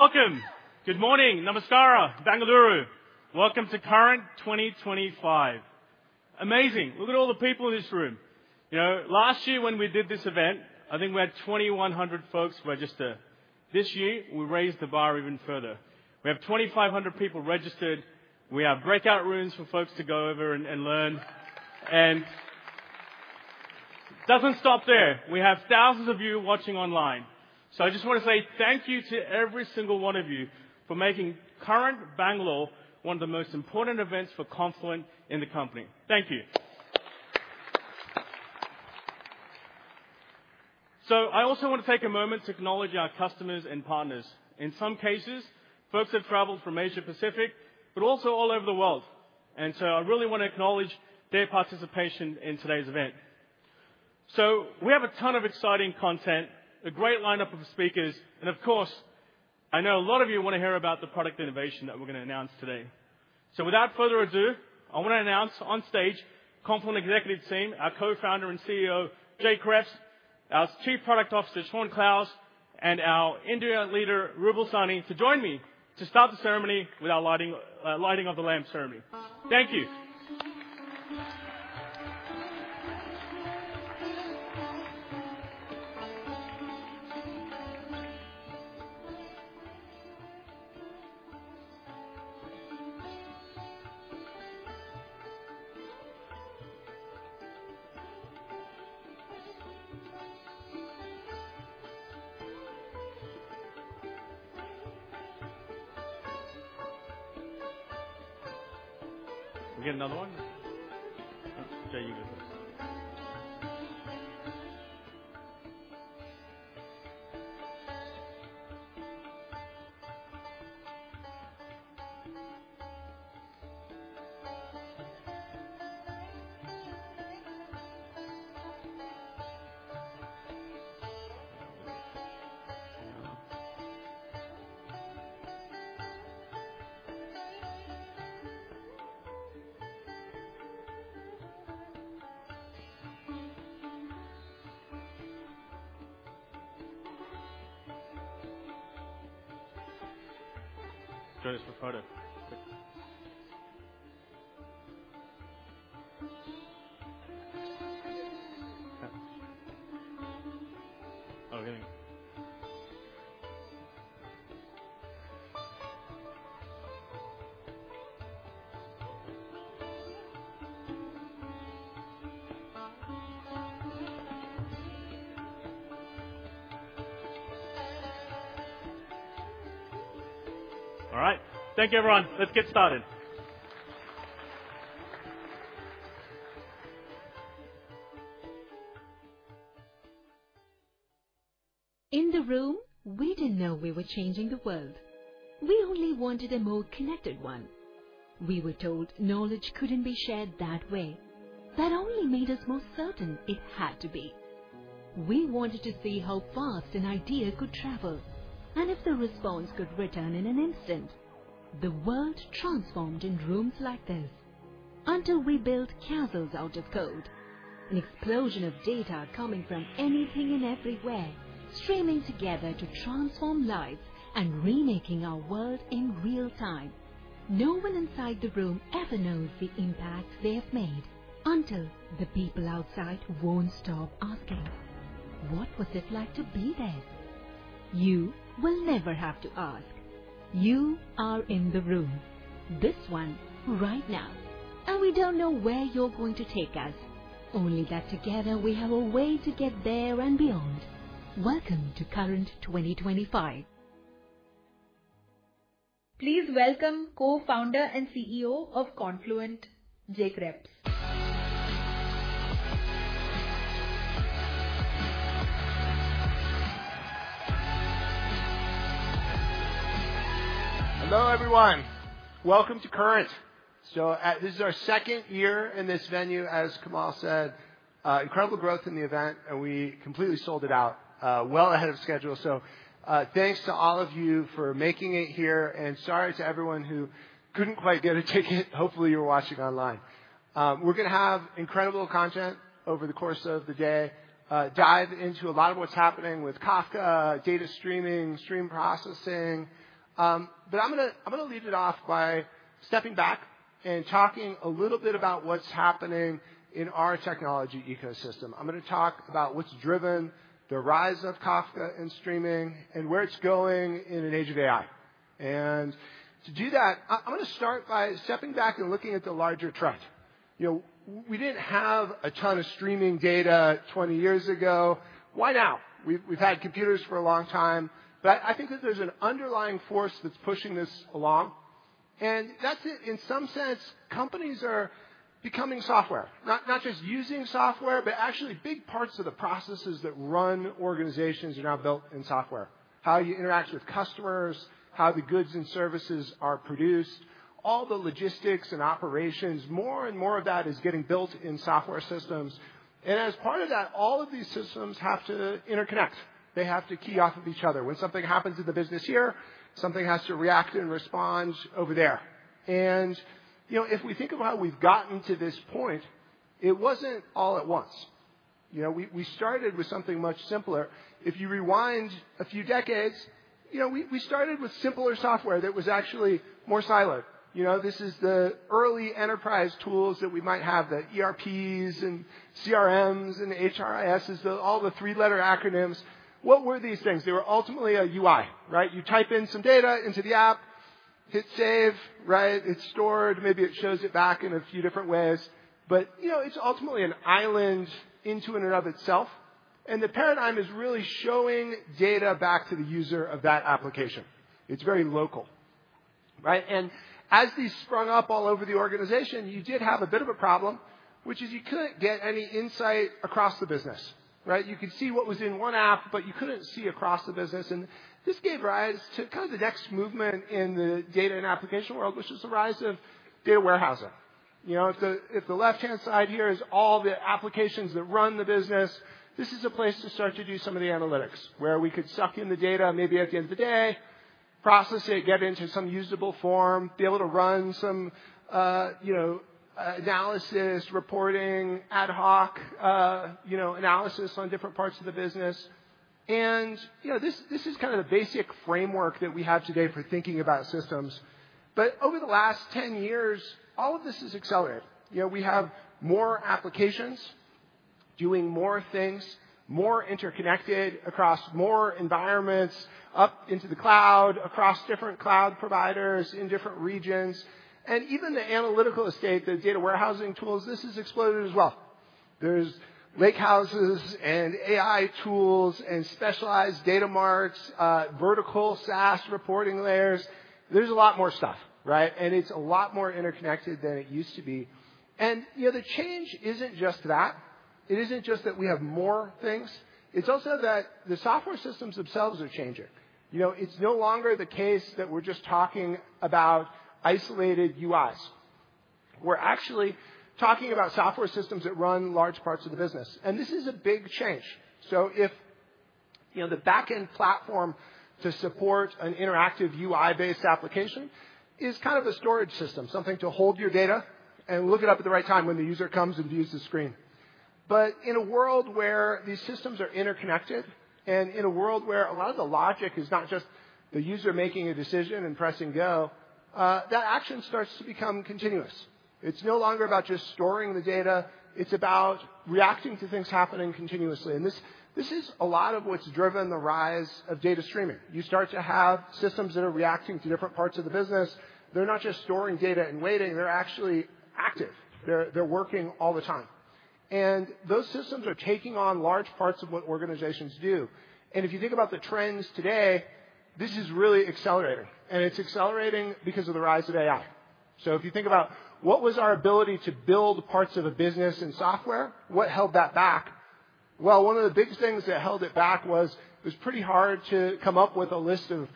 Welcome. Good morning. Namaskara, Bengaluru. Welcome to Current 2025. Amazing. Look at all the people in this room. Last year, when we did this event, I think we had 2,100 folks registered. This year, we raised the bar even further. We have 2,500 people registered. We have breakout rooms for folks to go over and learn, and it doesn't stop there. We have thousands of you watching online. So I just want to say thank you to every single one of you for making Current Bengaluru one of the most important events for Confluent in the company. Thank you. So I also want to take a moment to acknowledge our customers and partners. In some cases, folks have traveled from Asia Pacific, but also all over the world, and so I really want to acknowledge their participation in today's event. So we have a ton of exciting content, a great lineup of speakers, and of course, I know a lot of you want to hear about the product innovation that we're going to announce today. So without further ado, I want to announce on stage Confluent Executive Team, our Co-founder and CEO, Jay Kreps, our Chief Product Officer, Shaun Clowes, and our India leader, Rubal Sahni, to join me to start the ceremony with our lighting of the lamp ceremony. Thank you. We get another one? Okay, you get this. Show this for photo. Oh, here we go. All right. Thank you, everyone. Let's get started. In the room, we didn't know we were changing the world. We only wanted a more connected one. We were told knowledge couldn't be shared that way. That only made us more certain it had to be. We wanted to see how fast an idea could travel and if the response could return in an instant. The world transformed in rooms like this until we built castles out of code. An explosion of data coming from anything and everywhere, streaming together to transform lives and remaking our world in real time. No one inside the room ever knows the impact they have made until the people outside won't stop asking, "What was it like to be there?" You will never have to ask. You are in the room. This one, right now. We don't know where you're going to take us, only that together we have a way to get there and beyond. Welcome to Current 2025. Please welcome Co-founder and CEO of Confluent, Jay Kreps. Hello, everyone. Welcome to Current, so this is our second year in this venue, as Kamal said. Incredible growth in the event, and we completely sold it out well ahead of schedule, so thanks to all of you for making it here, and sorry to everyone who couldn't quite get a ticket. Hopefully, you were watching online. We're going to have incredible content over the course of the day, dive into a lot of what's happening with Kafka, data streaming, stream processing, but I'm going to lead it off by stepping back and talking a little bit about what's happening in our technology ecosystem. I'm going to talk about what's driven the rise of Kafka and streaming and where it's going in an age of AI, and to do that, I'm going to start by stepping back and looking at the larger trend. We didn't have a ton of streaming data 20 years ago. Why now? We've had computers for a long time. But I think that there's an underlying force that's pushing this along. And that's it. In some sense, companies are becoming software, not just using software, but actually big parts of the processes that run organizations are now built in software. How you interact with customers, how the goods and services are produced, all the logistics and operations, more and more of that is getting built in software systems. And as part of that, all of these systems have to interconnect. They have to key off of each other. When something happens in the business here, something has to react and respond over there. And if we think about how we've gotten to this point, it wasn't all at once. We started with something much simpler. If you rewind a few decades, we started with simpler software that was actually more siloed. This is the early enterprise tools that we might have, the ERPs and CRMs and HRISs, all the three-letter acronyms. What were these things? They were ultimately a UI, right? You type in some data into the app, hit save, right? It's stored. Maybe it shows it back in a few different ways. But it's ultimately an island unto itself. And the paradigm is really showing data back to the user of that application. It's very local. And as these sprung up all over the organization, you did have a bit of a problem, which is you couldn't get any insight across the business. You could see what was in one app, but you couldn't see across the business. And this gave rise to kind of the next movement in the data and application world, which is the rise of data warehousing. If the left-hand side here is all the applications that run the business, this is a place to start to do some of the analytics where we could suck in the data maybe at the end of the day, process it, get it into some usable form, be able to run some analysis, reporting, ad hoc analysis on different parts of the business. And this is kind of the basic framework that we have today for thinking about systems. But over the last 10 years, all of this has accelerated. We have more applications doing more things, more interconnected across more environments, up into the cloud, across different cloud providers in different regions. And even the analytical estate, the data warehousing tools, this has exploded as well. There's lakehouses and AI tools and specialized data marts, vertical SaaS reporting layers. There's a lot more stuff, right? And it's a lot more interconnected than it used to be. And the change isn't just that. It isn't just that we have more things. It's also that the software systems themselves are changing. It's no longer the case that we're just talking about isolated UIs. We're actually talking about software systems that run large parts of the business. And this is a big change. So if the back-end platform to support an interactive UI-based application is kind of a storage system, something to hold your data and look it up at the right time when the user comes and views the screen But in a world where these systems are interconnected and in a world where a lot of the logic is not just the user making a decision and pressing go, that action starts to become continuous. It's no longer about just storing the data. It's about reacting to things happening continuously. And this is a lot of what's driven the rise of data streaming. You start to have systems that are reacting to different parts of the business. They're not just storing data and waiting. They're actually active. They're working all the time. And those systems are taking on large parts of what organizations do. And if you think about the trends today, this is really accelerating. And it's accelerating because of the rise of AI. So if you think about what was our ability to build parts of a business in software, what held that back? One of the big things that held it back was it was pretty hard to come up with a list of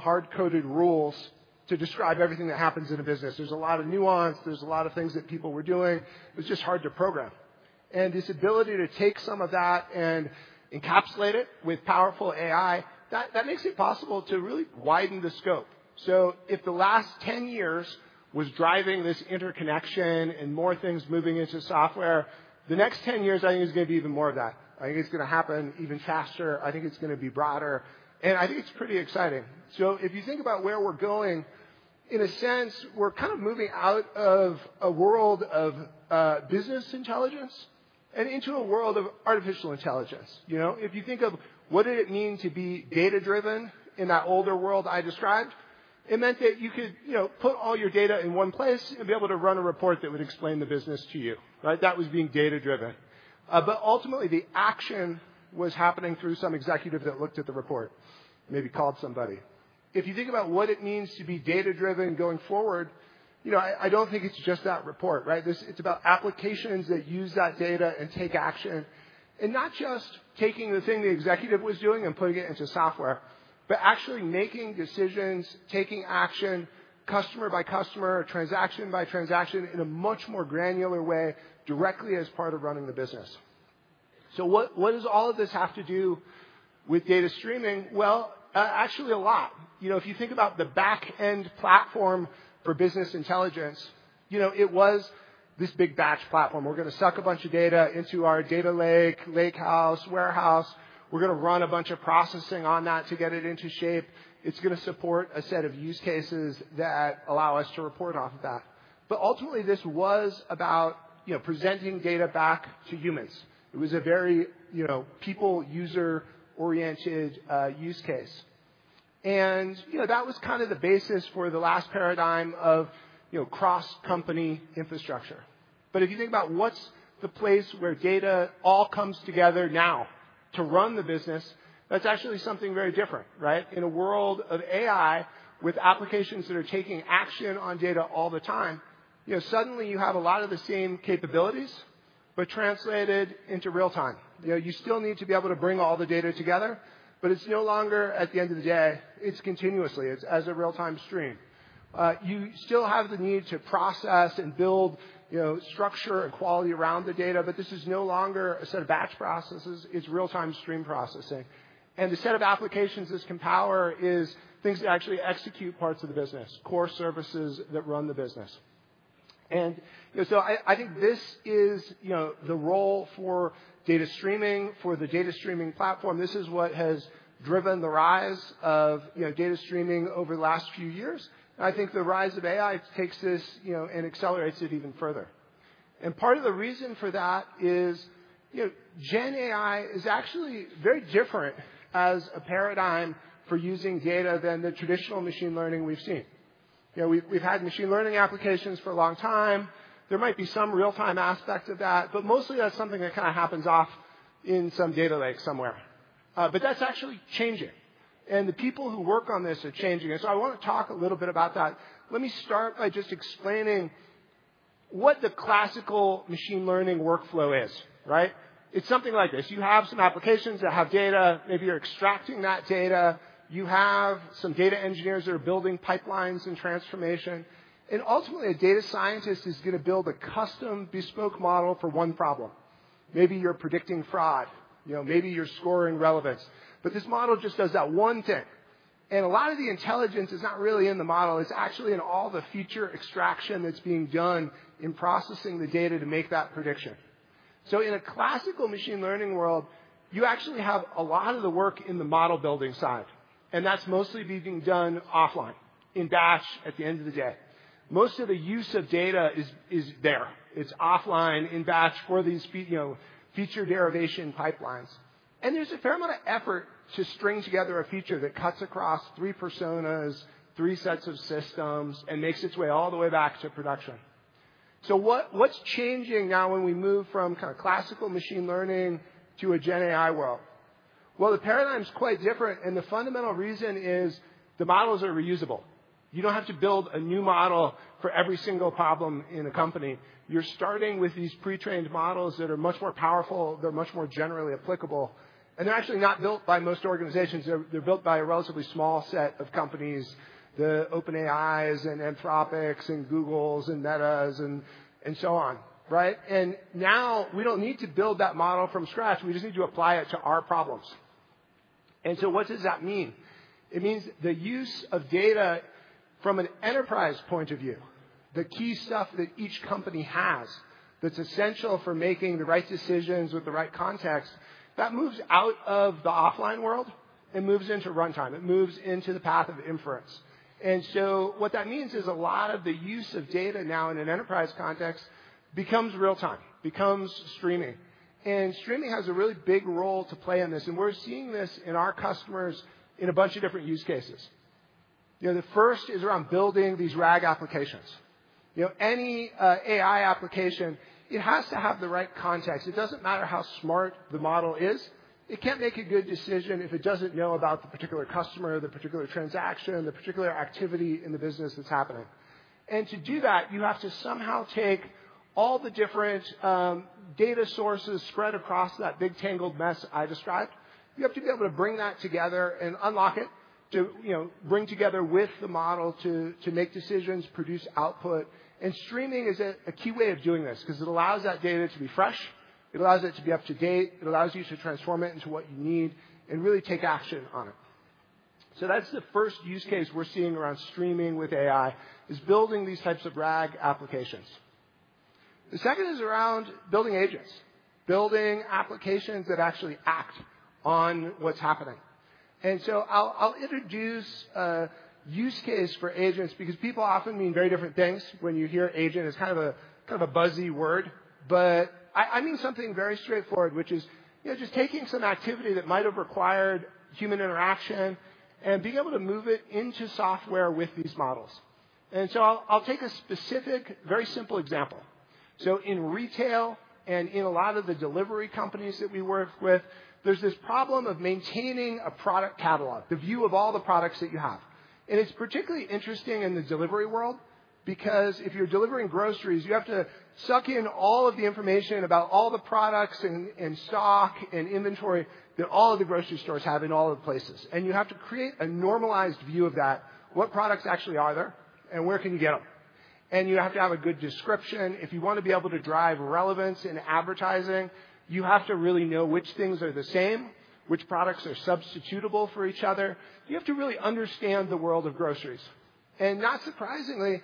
hard-coded rules to describe everything that happens in a business. There's a lot of nuance. There's a lot of things that people were doing. It was just hard to program. This ability to take some of that and encapsulate it with powerful AI makes it possible to really widen the scope. If the last 10 years was driving this interconnection and more things moving into software, the next 10 years, I think, is going to be even more of that. I think it's going to happen even faster. I think it's going to be broader. I think it's pretty exciting. So if you think about where we're going, in a sense, we're kind of moving out of a world of business intelligence and into a world of artificial intelligence. If you think of what did it mean to be data-driven in that older world I described? It meant that you could put all your data in one place and be able to run a report that would explain the business to you. That was being data-driven. But ultimately, the action was happening through some executive that looked at the report, maybe called somebody. If you think about what it means to be data-driven going forward, I don't think it's just that report. It's about applications that use that data and take action. And not just taking the thing the executive was doing and putting it into software, but actually making decisions, taking action, customer by customer, transaction by transaction in a much more granular way directly as part of running the business. So what does all of this have to do with data streaming? Well, actually, a lot. If you think about the back-end platform for business intelligence, it was this big batch platform. We're going to suck a bunch of data into our data lake, lakehouse, warehouse. We're going to run a bunch of processing on that to get it into shape. It's going to support a set of use cases that allow us to report off of that. But ultimately, this was about presenting data back to humans. It was a very people, user-oriented use case. And that was kind of the basis for the last paradigm of cross-company infrastructure. But if you think about what's the place where data all comes together now to run the business, that's actually something very different. In a world of AI with applications that are taking action on data all the time, suddenly you have a lot of the same capabilities, but translated into real time. You still need to be able to bring all the data together, but it's no longer, at the end of the day, it's continuously. It's as a real-time stream. You still have the need to process and build structure and quality around the data, but this is no longer a set of batch processes. It's real-time stream processing. And the set of applications this can power is things that actually execute parts of the business, core services that run the business. And so I think this is the role for data streaming, for the data streaming platform. This is what has driven the rise of data streaming over the last few years, and I think the rise of AI takes this and accelerates it even further, and part of the reason for that is GenAI is actually very different as a paradigm for using data than the traditional machine learning we've seen. We've had machine learning applications for a long time. There might be some real-time aspect of that, but mostly that's something that kind of happens off in some data lake somewhere, but that's actually changing, and the people who work on this are changing, and so I want to talk a little bit about that. Let me start by just explaining what the classical machine learning workflow is. It's something like this. You have some applications that have data. Maybe you're extracting that data. You have some data engineers that are building pipelines and transformation. And ultimately, a data scientist is going to build a custom bespoke model for one problem. Maybe you're predicting fraud. Maybe you're scoring relevance. But this model just does that one thing. And a lot of the intelligence is not really in the model. It's actually in all the feature extraction that's being done in processing the data to make that prediction. So in a classical machine learning world, you actually have a lot of the work in the model-building side. And that's mostly being done offline in batch at the end of the day. Most of the use of data is there. It's offline in batch for these feature derivation pipelines. And there's a fair amount of effort to string together a feature that cuts across three personas, three sets of systems, and makes its way all the way back to production. So what's changing now when we move from kind of classical machine learning to a GenAI world? Well, the paradigm is quite different. And the fundamental reason is the models are reusable. You don't have to build a new model for every single problem in a company. You're starting with these pre-trained models that are much more powerful. They're much more generally applicable. And they're actually not built by most organizations. They're built by a relatively small set of companies: the OpenAIs and Anthropics and Googles and Metas and so on. And now we don't need to build that model from scratch. We just need to apply it to our problems. And so what does that mean? It means the use of data from an enterprise point of view, the key stuff that each company has that's essential for making the right decisions with the right context, that moves out of the offline world and moves into runtime. It moves into the path of inference. And so what that means is a lot of the use of data now in an enterprise context becomes real time, becomes streaming. And streaming has a really big role to play in this. And we're seeing this in our customers in a bunch of different use cases. The first is around building these RAG applications. Any AI application, it has to have the right context. It doesn't matter how smart the model is. It can't make a good decision if it doesn't know about the particular customer, the particular transaction, the particular activity in the business that's happening. To do that, you have to somehow take all the different data sources spread across that big tangled mess I described. You have to be able to bring that together and unlock it, bring together with the model to make decisions, produce output. Streaming is a key way of doing this because it allows that data to be fresh. It allows it to be up to date. It allows you to transform it into what you need and really take action on it. That's the first use case we're seeing around streaming with AI, is building these types of RAG applications. The second is around building agents, building applications that actually act on what's happening. I'll introduce a use case for agents because people often mean very different things when you hear agent. It's kind of a buzzy word. But I mean something very straightforward, which is just taking some activity that might have required human interaction and being able to move it into software with these models. And so I'll take a specific, very simple example. So in retail and in a lot of the delivery companies that we work with, there's this problem of maintaining a product catalog, the view of all the products that you have. And it's particularly interesting in the delivery world because if you're delivering groceries, you have to suck in all of the information about all the products and stock and inventory that all of the grocery stores have in all of the places. And you have to create a normalized view of that, what products actually are there and where can you get them. And you have to have a good description. If you want to be able to drive relevance in advertising, you have to really know which things are the same, which products are substitutable for each other. You have to really understand the world of groceries, and not surprisingly,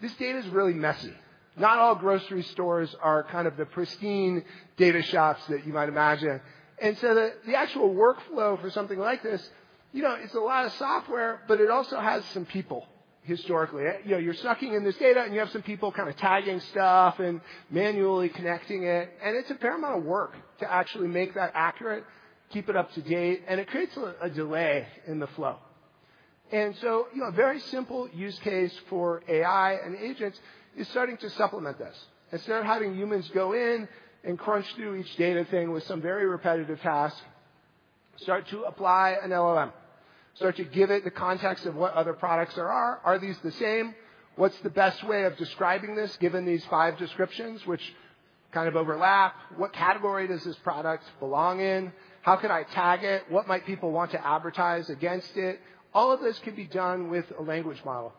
this data is really messy. Not all grocery stores are kind of the pristine data shops that you might imagine, and so the actual workflow for something like this, it's a lot of software, but it also has some people historically. You're sucking in this data and you have some people kind of tagging stuff and manually connecting it, and it's a fair amount of work to actually make that accurate, keep it up to date, and it creates a delay in the flow, and so a very simple use case for AI and agents is starting to supplement this. Instead of having humans go in and crunch through each data thing with some very repetitive task, start to apply an LLM, start to give it the context of what other products are. Are these the same? What's the best way of describing this given these five descriptions, which kind of overlap? What category does this product belong in? How can I tag it? What might people want to advertise against it? All of this could be done with a language model.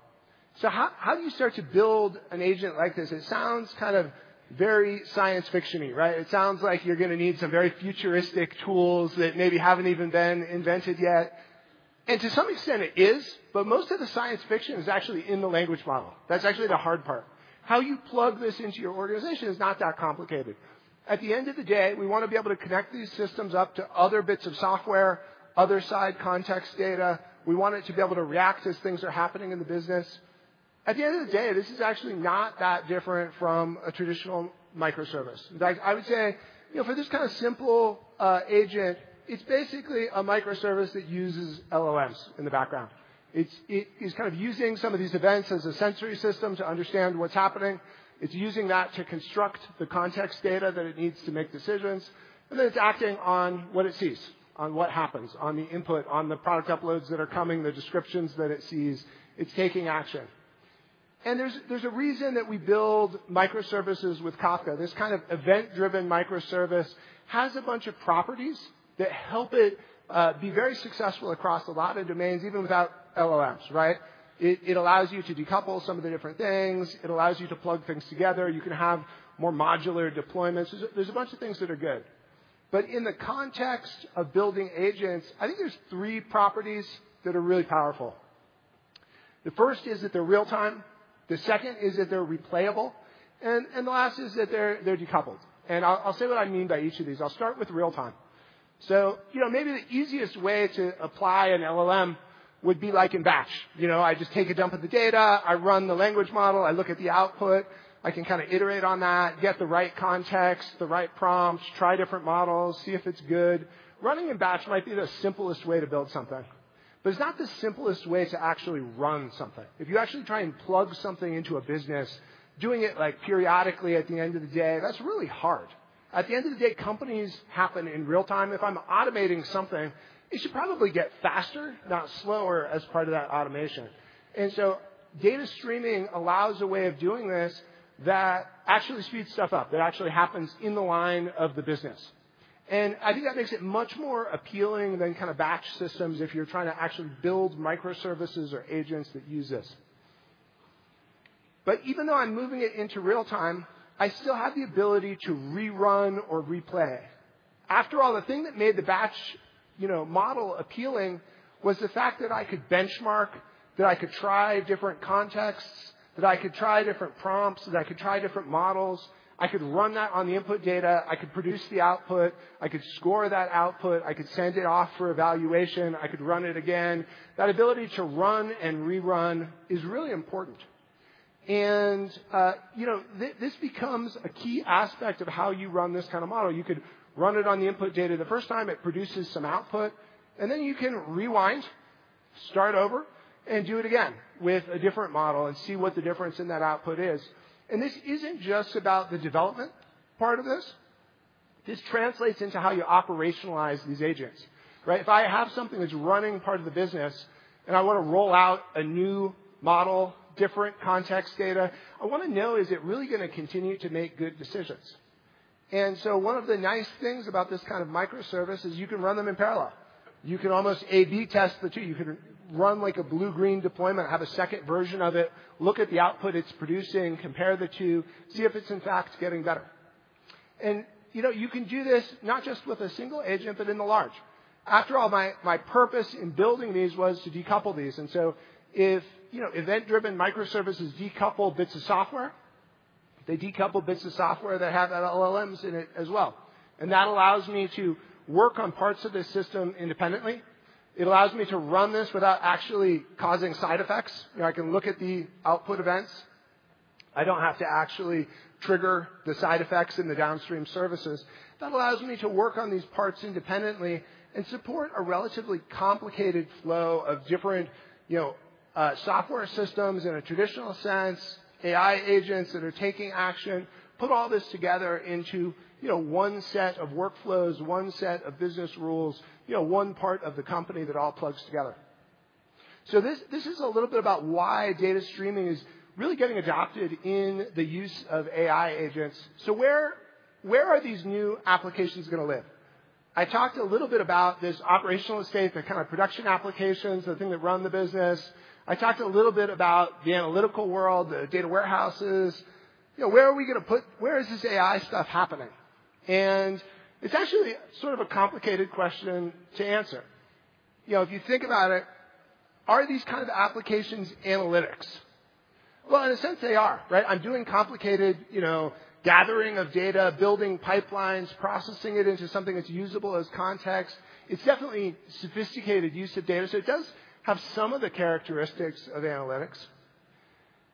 So how do you start to build an agent like this? It sounds kind of very science fictiony, right? It sounds like you're going to need some very futuristic tools that maybe haven't even been invented yet. And to some extent, it is, but most of the science fiction is actually in the language model. That's actually the hard part. How you plug this into your organization is not that complicated. At the end of the day, we want to be able to connect these systems up to other bits of software, other side context data. We want it to be able to react as things are happening in the business. At the end of the day, this is actually not that different from a traditional microservice. In fact, I would say for this kind of simple agent, it's basically a microservice that uses LLMs in the background. It is kind of using some of these events as a sensory system to understand what's happening. It's using that to construct the context data that it needs to make decisions. And then it's acting on what it sees, on what happens, on the input, on the product uploads that are coming, the descriptions that it sees. It's taking action. There's a reason that we build microservices with Kafka. This kind of event-driven microservice has a bunch of properties that help it be very successful across a lot of domains, even without LLMs, right? It allows you to decouple some of the different things. It allows you to plug things together. You can have more modular deployments. There's a bunch of things that are good. In the context of building agents, I think there's three properties that are really powerful. The first is that they're real time. The second is that they're replayable. The last is that they're decoupled. I'll say what I mean by each of these. I'll start with real time. So maybe the easiest way to apply an LLM would be like in batch. I just take a dump of the data. I run the language model. I look at the output. I can kind of iterate on that, get the right context, the right prompts, try different models, see if it's good. Running in batch might be the simplest way to build something, but it's not the simplest way to actually run something. If you actually try and plug something into a business, doing it periodically at the end of the day, that's really hard. At the end of the day, companies happen in real time. If I'm automating something, it should probably get faster, not slower as part of that automation, and so data streaming allows a way of doing this that actually speeds stuff up, that actually happens in the line of the business, and I think that makes it much more appealing than kind of batch systems if you're trying to actually build microservices or agents that use this. But even though I'm moving it into real time, I still have the ability to rerun or replay. After all, the thing that made the batch model appealing was the fact that I could benchmark, that I could try different contexts, that I could try different prompts, that I could try different models. I could run that on the input data. I could produce the output. I could score that output. I could send it off for evaluation. I could run it again. That ability to run and rerun is really important, and this becomes a key aspect of how you run this kind of model. You could run it on the input data the first time. It produces some output, and then you can rewind, start over, and do it again with a different model and see what the difference in that output is. This isn't just about the development part of this. This translates into how you operationalize these agents. If I have something that's running part of the business and I want to roll out a new model, different context data, I want to know, is it really going to continue to make good decisions? And so one of the nice things about this kind of microservice is you can run them in parallel. You can almost A/B test the two. You can run like a blue-green deployment, have a second version of it, look at the output it's producing, compare the two, see if it's in fact getting better. And you can do this not just with a single agent, but in the large. After all, my purpose in building these was to decouple these. And so if event-driven microservices decouple bits of software, they decouple bits of software that have LLMs in it as well. And that allows me to work on parts of the system independently. It allows me to run this without actually causing side effects. I can look at the output events. I don't have to actually trigger the side effects in the downstream services. That allows me to work on these parts independently and support a relatively complicated flow of different software systems in a traditional sense, AI agents that are taking action, put all this together into one set of workflows, one set of business rules, one part of the company that all plugs together. So this is a little bit about why data streaming is really getting adopted in the use of AI agents. So where are these new applications going to live? I talked a little bit about this operational state, the kind of production applications, the things that run the business. I talked a little bit about the analytical world, the data warehouses. Where are we going to put it, where is this AI stuff happening? And it's actually sort of a complicated question to answer. If you think about it, are these kind of applications analytics? Well, in a sense, they are. I'm doing complicated gathering of data, building pipelines, processing it into something that's usable as context. It's definitely sophisticated use of data. So it does have some of the characteristics of analytics.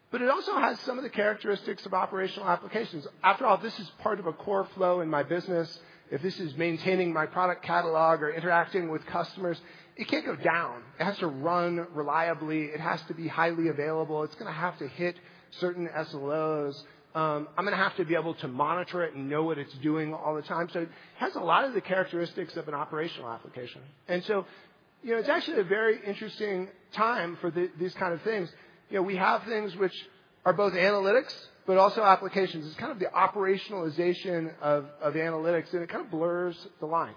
But it also has some of the characteristics of operational applications. After all, this is part of a core flow in my business. If this is maintaining my product catalog or interacting with customers, it can't go down. It has to run reliably. It has to be highly available. It's going to have to hit certain SLOs. I'm going to have to be able to monitor it and know what it's doing all the time. So it has a lot of the characteristics of an operational application. And so it's actually a very interesting time for these kind of things. We have things which are both analytics, but also applications. It's kind of the operationalization of analytics, and it kind of blurs the line.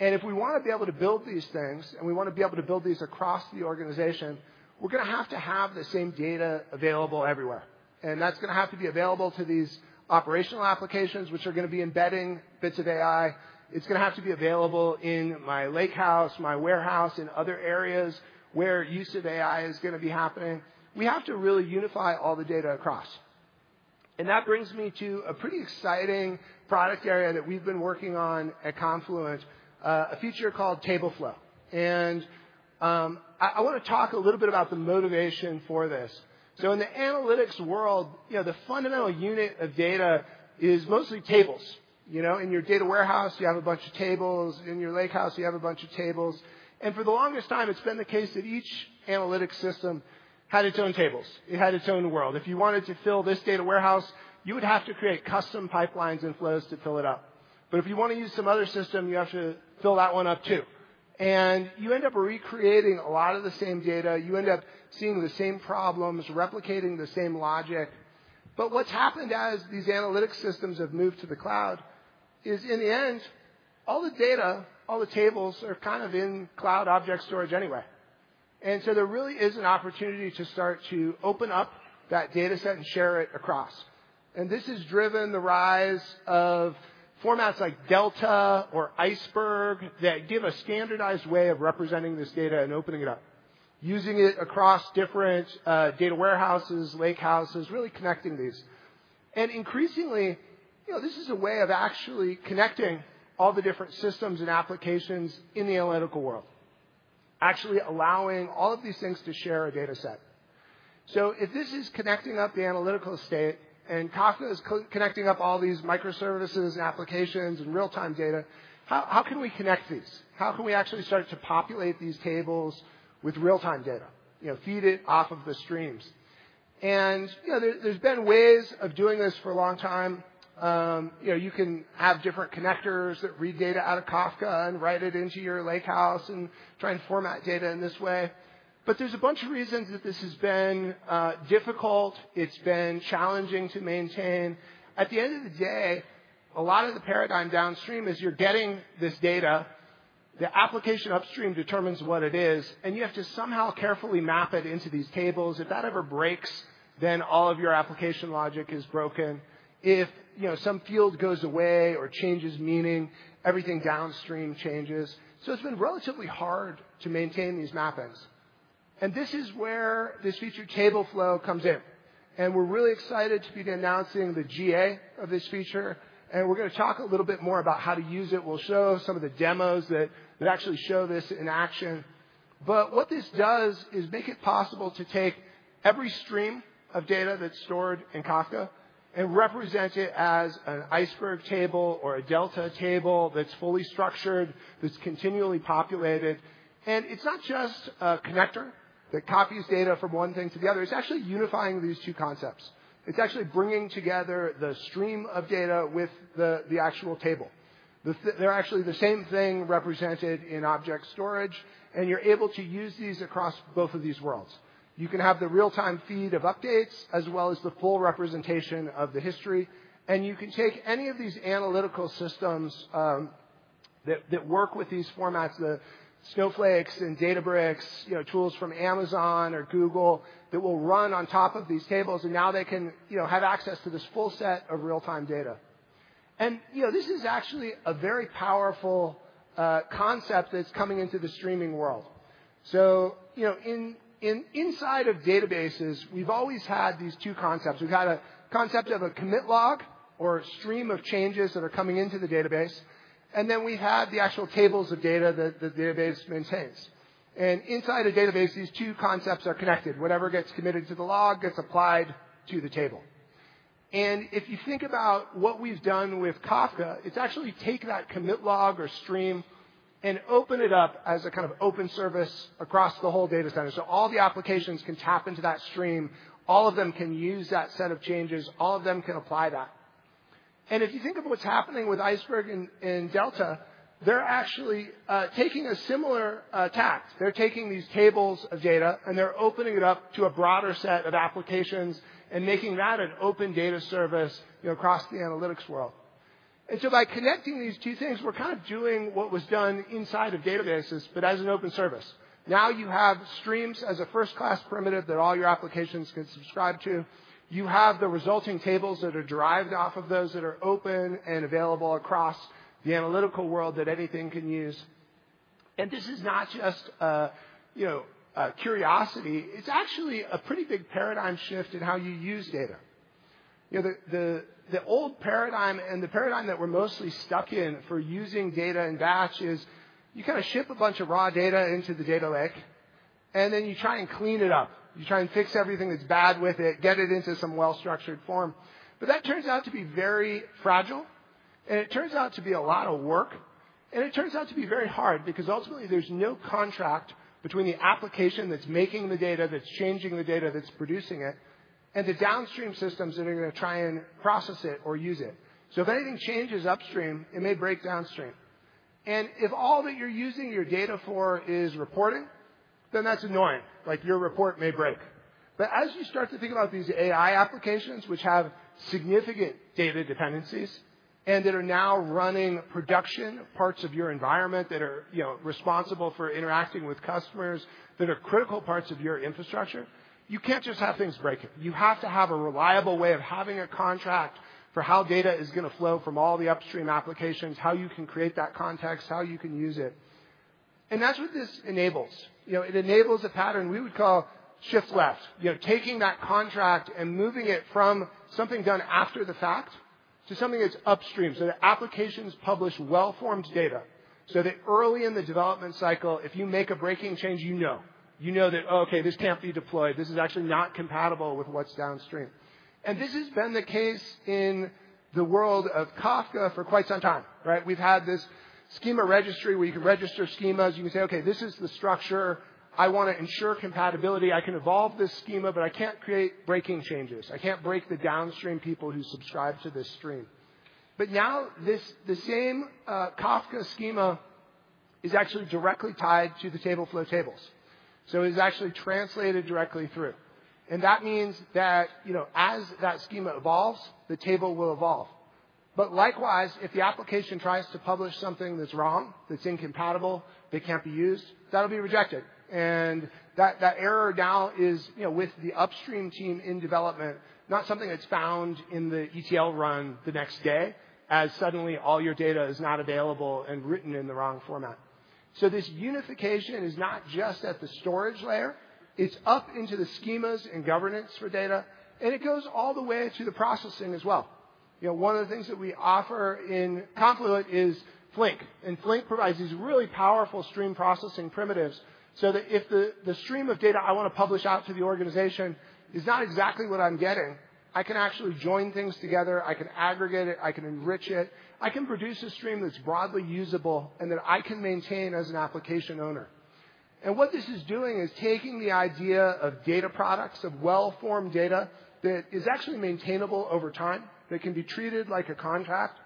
And if we want to be able to build these things and we want to be able to build these across the organization, we're going to have to have the same data available everywhere. And that's going to have to be available to these operational applications, which are going to be embedding bits of AI. It's going to have to be available in my lakehouse, my warehouse, in other areas where use of AI is going to be happening. We have to really unify all the data across. And that brings me to a pretty exciting product area that we've been working on at Confluent, a feature called Tableflow. And I want to talk a little bit about the motivation for this. So in the analytics world, the fundamental unit of data is mostly tables. In your data warehouse, you have a bunch of tables. In your lakehouse, you have a bunch of tables. And for the longest time, it's been the case that each analytic system had its own tables. It had its own world. If you wanted to fill this data warehouse, you would have to create custom pipelines and flows to fill it up. But if you want to use some other system, you have to fill that one up too, and you end up recreating a lot of the same data. You end up seeing the same problems, replicating the same logic, but what's happened as these analytic systems have moved to the cloud is, in the end, all the data, all the tables are kind of in cloud object storage anyway, and so there really is an opportunity to start to open up that dataset and share it across, and this has driven the rise of formats like Delta or Iceberg that give a standardized way of representing this data and opening it up, using it across different data warehouses, lakehouses, really connecting these. Increasingly, this is a way of actually connecting all the different systems and applications in the analytical world, actually allowing all of these things to share a dataset. If this is connecting up the analytical state and Kafka is connecting up all these microservices and applications and real-time data, how can we connect these? How can we actually start to populate these tables with real-time data, feed it off of the streams? There's been ways of doing this for a long time. You can have different connectors that read data out of Kafka and write it into your lakehouse and try and format data in this way. There's a bunch of reasons that this has been difficult. It's been challenging to maintain. At the end of the day, a lot of the paradigm downstream is you're getting this data. The application upstream determines what it is, and you have to somehow carefully map it into these tables. If that ever breaks, then all of your application logic is broken. If some field goes away or changes meaning, everything downstream changes. So it's been relatively hard to maintain these mappings. And this is where this feature, Tableflow, comes in. And we're really excited to be announcing the GA of this feature. And we're going to talk a little bit more about how to use it. We'll show some of the demos that actually show this in action. But what this does is make it possible to take every stream of data that's stored in Kafka and represent it as an Iceberg table or a Delta table that's fully structured, that's continually populated. And it's not just a connector that copies data from one thing to the other. It's actually unifying these two concepts. It's actually bringing together the stream of data with the actual table. They're actually the same thing represented in object storage, and you're able to use these across both of these worlds. You can have the real-time feed of updates as well as the full representation of the history. And you can take any of these analytical systems that work with these formats, the Snowflake and Databricks, tools from Amazon or Google that will run on top of these tables, and now they can have access to this full set of real-time data. And this is actually a very powerful concept that's coming into the streaming world. So inside of databases, we've always had these two concepts. We've had a concept of a commit log or a stream of changes that are coming into the database. Then we have the actual tables of data that the database maintains. Inside a database, these two concepts are connected. Whatever gets committed to the log gets applied to the table. If you think about what we've done with Kafka, it's actually take that commit log or stream and open it up as a kind of open service across the whole data center. All the applications can tap into that stream. All of them can use that set of changes. All of them can apply that. If you think of what's happening with Iceberg and Delta, they're actually taking a similar tack. They're taking these tables of data, and they're opening it up to a broader set of applications and making that an open data service across the analytics world. And so by connecting these two things, we're kind of doing what was done inside of databases, but as an open service. Now you have streams as a first-class primitive that all your applications can subscribe to. You have the resulting tables that are derived off of those that are open and available across the analytical world that anything can use. And this is not just curiosity. It's actually a pretty big paradigm shift in how you use data. The old paradigm and the paradigm that we're mostly stuck in for using data in batch is you kind of ship a bunch of raw data into the data lake, and then you try and clean it up. You try and fix everything that's bad with it, get it into some well-structured form. But that turns out to be very fragile, and it turns out to be a lot of work, and it turns out to be very hard because ultimately there's no contract between the application that's making the data, that's changing the data, that's producing it, and the downstream systems that are going to try and process it or use it. So if anything changes upstream, it may break downstream. And if all that you're using your data for is reporting, then that's annoying. Your report may break. But as you start to think about these AI applications, which have significant data dependencies and that are now running production parts of your environment that are responsible for interacting with customers, that are critical parts of your infrastructure, you can't just have things breaking. You have to have a reliable way of having a contract for how data is going to flow from all the upstream applications, how you can create that context, how you can use it. And that's what this enables. It enables a pattern we would call shift left, taking that contract and moving it from something done after the fact to something that's upstream. So the applications publish well-formed data. So that early in the development cycle, if you make a breaking change, you know. You know that, okay, this can't be deployed. This is actually not compatible with what's downstream. And this has been the case in the world of Kafka for quite some time. We've had this Schema Registry where you can register schemas. You can say, okay, this is the structure. I want to ensure compatibility. I can evolve this schema, but I can't create breaking changes. I can't break the downstream people who subscribe to this stream. But now the same Kafka schema is actually directly tied to the Tableflow tables. So it is actually translated directly through. And that means that as that schema evolves, the table will evolve. But likewise, if the application tries to publish something that's wrong, that's incompatible, that can't be used, that'll be rejected. And that error now is with the upstream team in development, not something that's found in the ETL run the next day as suddenly all your data is not available and written in the wrong format. So this unification is not just at the storage layer. It's up into the schemas and governance for data. And it goes all the way to the processing as well. One of the things that we offer in Confluent is Flink. Flink provides these really powerful stream processing primitives so that if the stream of data I want to publish out to the organization is not exactly what I'm getting, I can actually join things together. I can aggregate it. I can enrich it. I can produce a stream that's broadly usable and that I can maintain as an application owner. What this is doing is taking the idea of data products, of well-formed data that is actually maintainable over time, that can be treated like a contract.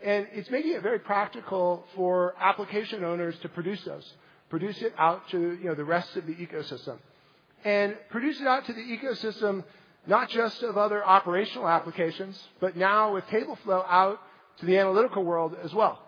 It's making it very practical for application owners to produce those, produce it out to the rest of the ecosystem, and produce it out to the ecosystem, not just of other operational applications, but now with Tableflow out to the analytical world as well.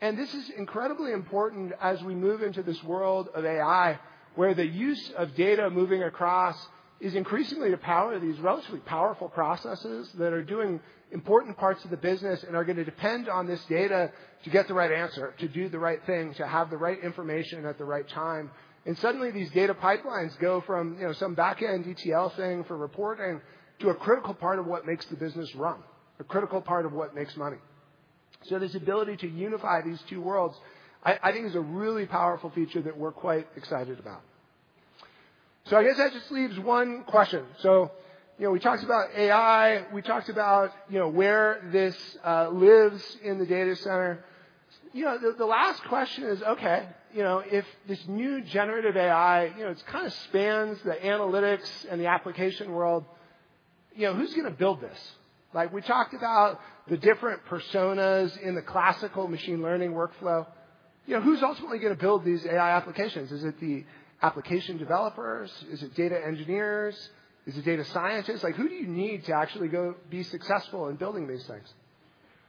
And this is incredibly important as we move into this world of AI where the use of data moving across is increasingly the power of these relatively powerful processes that are doing important parts of the business and are going to depend on this data to get the right answer, to do the right thing, to have the right information at the right time. And suddenly these data pipelines go from some back-end ETL thing for reporting to a critical part of what makes the business run, a critical part of what makes money. So this ability to unify these two worlds, I think, is a really powerful feature that we're quite excited about. So I guess that just leaves one question. So we talked about AI. We talked about where this lives in the data center. The last question is, okay, if this new generative AI, it kind of spans the analytics and the application world, who's going to build this? We talked about the different personas in the classical machine learning workflow. Who's ultimately going to build these AI applications? Is it the application developers? Is it data engineers? Is it data scientists? Who do you need to actually be successful in building these things?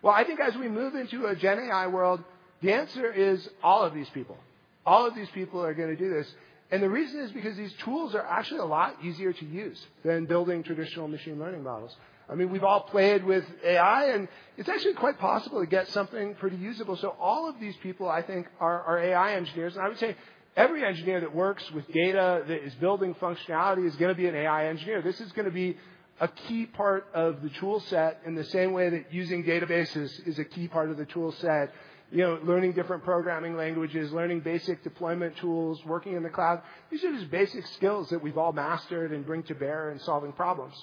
Well, I think as we move into a Gen AI world, the answer is all of these people. All of these people are going to do this. And the reason is because these tools are actually a lot easier to use than building traditional machine learning models. I mean, we've all played with AI, and it's actually quite possible to get something pretty usable. So all of these people, I think, are AI engineers. I would say every engineer that works with data that is building functionality is going to be an AI engineer. This is going to be a key part of the toolset in the same way that using databases is a key part of the toolset, learning different programming languages, learning basic deployment tools, working in the cloud. These are just basic skills that we've all mastered and bring to bear in solving problems.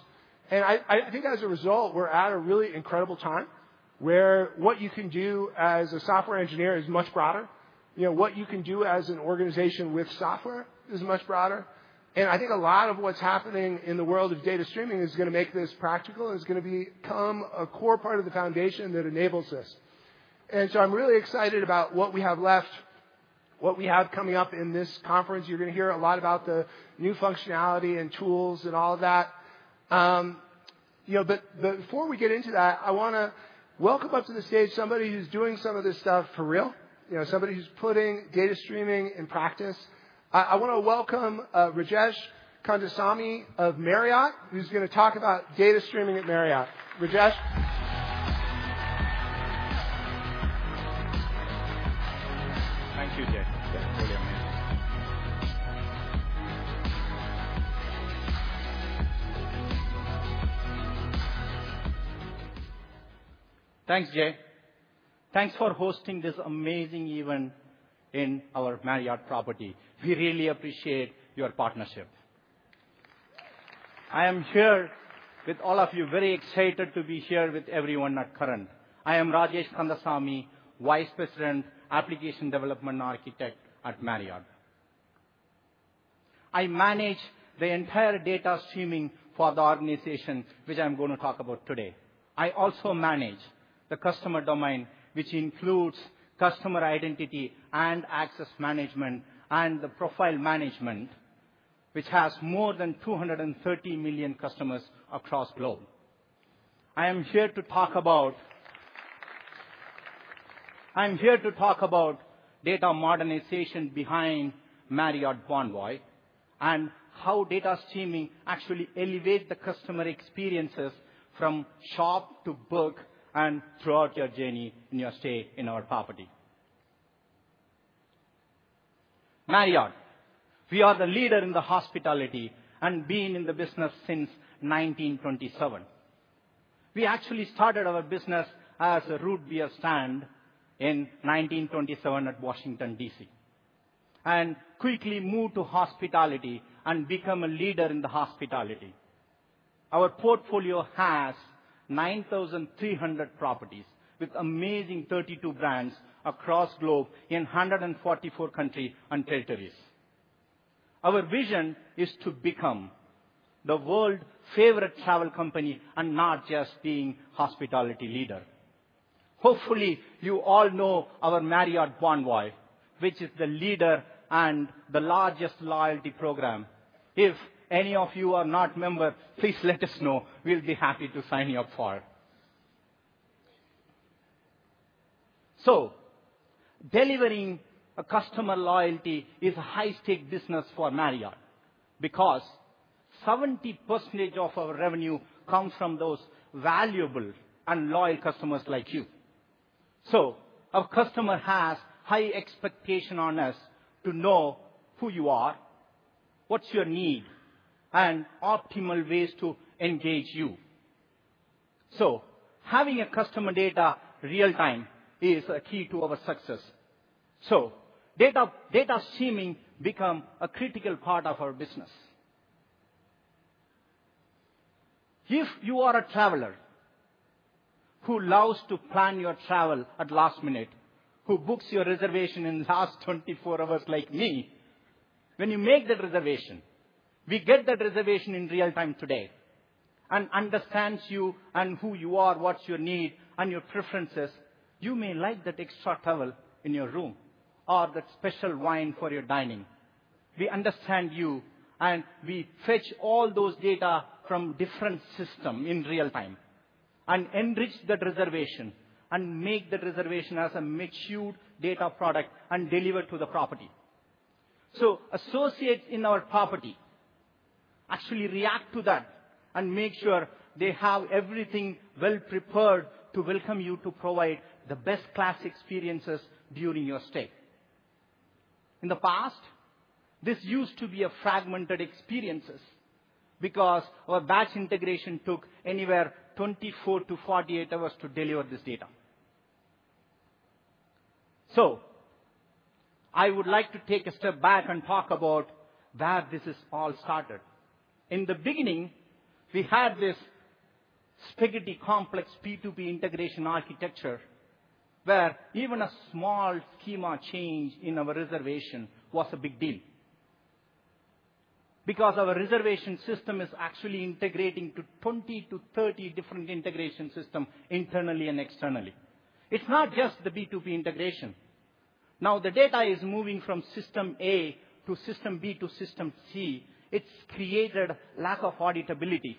I think as a result, we're at a really incredible time where what you can do as a software engineer is much broader. What you can do as an organization with software is much broader. I think a lot of what's happening in the world of data streaming is going to make this practical and is going to become a core part of the foundation that enables this. And so I'm really excited about what we have left, what we have coming up in this conference. You're going to hear a lot about the new functionality and tools and all of that. But before we get into that, I want to welcome up to the stage somebody who's doing some of this stuff for real, somebody who's putting data streaming in practice. I want to welcome Rajesh Kandasamy of Marriott, who's going to talk about data streaming at Marriott. Rajesh? Thank you, Jay. Thanks, Jay. Thanks for hosting this amazing event in our Marriott property. We really appreciate your partnership. I am here with all of you, very excited to be here with everyone at Current. I am Rajesh Kandasamy, Vice President, Application Development Architect at Marriott. I manage the entire data streaming for the organization, which I'm going to talk about today. I also manage the customer domain, which includes customer identity and access management and the profile management, which has more than 230 million customers across globe. I am here to talk about data modernization behind Marriott Bonvoy and how data streaming actually elevates the customer experiences from shop-to-book and throughout your journey in your stay in our property. Marriott, we are the leader in the hospitality and been in the business since 1927. We actually started our business as a root beer stand in 1927 at Washington, D.C., and quickly moved to hospitality and became a leader in the hospitality. Our portfolio has 9,300 properties with amazing 32 brands across globe in 144 countries and territories. Our vision is to become the world's favorite travel company and not just being hospitality leader. Hopefully, you all know our Marriott Bonvoy, which is the leader and the largest loyalty program. If any of you are not a member, please let us know. We'll be happy to sign you up for it. So delivering customer loyalty is a high-stakes business for Marriott because 70% of our revenue comes from those valuable and loyal customers like you. So our customer has high expectations on us to know who you are, what's your need, and optimal ways to engage you. So having customer data real-time is a key to our success. So data streaming becomes a critical part of our business. If you are a traveler who loves to plan your travel at the last minute, who books your reservation in the last 24 hours like me, when you make that reservation, we get that reservation in real time today and understand you and who you are, what's your need, and your preferences. You may like that extra towel in your room or that special wine for your dining. We understand you, and we fetch all those data from different systems in real time and enrich that reservation and make that reservation as a matured data product and deliver to the property. So associates in our property actually react to that and make sure they have everything well-prepared to welcome you to provide the best-class experiences during your stay. In the past, this used to be a fragmented experience because our batch integration took anywhere from 24 to 48 hours to deliver this data. So I would like to take a step back and talk about where this all started. In the beginning, we had this spaghetti-complex P2P integration architecture where even a small schema change in our reservation was a big deal because our reservation system is actually integrating to 20-30 different integration systems internally and externally. It's not just the B2B integration. Now, the data is moving from system A to system B to system C. It's created a lack of auditability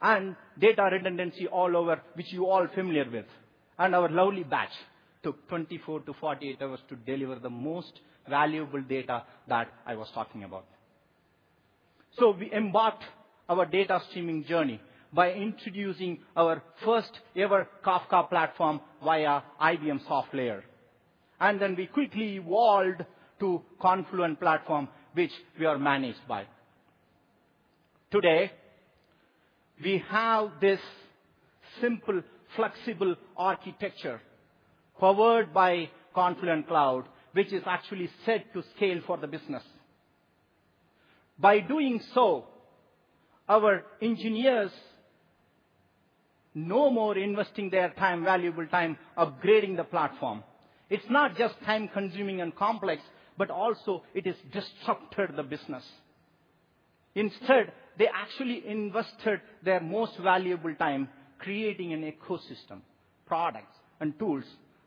and data redundancy all over, which you're all familiar with. Our lovely batch took 24-48 hours to deliver the most valuable data that I was talking about. We embarked on our data streaming journey by introducing our first-ever Kafka platform via IBM Softlayer. We quickly evolved to Confluent Platform, which we are managed by. Today, we have this simple, flexible architecture powered by Confluent Cloud, which is actually set to scale for the business. By doing so, our engineers no more investing their valuable time upgrading the platform. It's not just time-consuming and complex, but also it has disrupted the business. Instead, they actually invested their most valuable time creating an ecosystem, products, and tools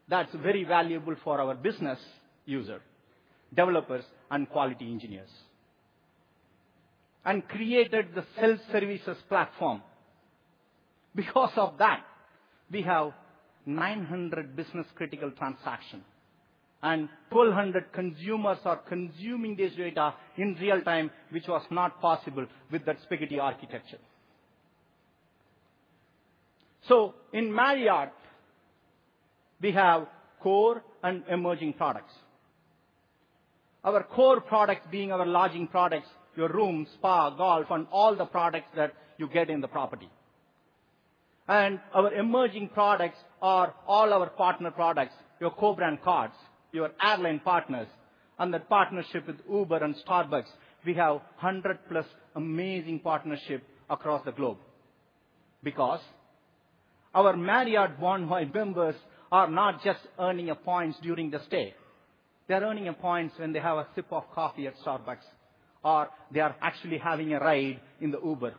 that's very valuable for our business users, developers, and quality engineers, and created the self-service platform. Because of that, we have 900 business-critical transactions, and 1,200 consumers are consuming this data in real time, which was not possible with that spaghetti architecture. In Marriott, we have core and emerging products. Our core products being our lodging products, your room, spa, golf, and all the products that you get in the property, and our emerging products are all our partner products, your co-branded cards, your airline partners, and that partnership with Uber and Starbucks. We have 100-plus amazing partnerships across the globe because our Marriott Bonvoy members are not just earning points during the stay. They're earning points when they have a sip of coffee at Starbucks, or they are actually having a ride in the Uber,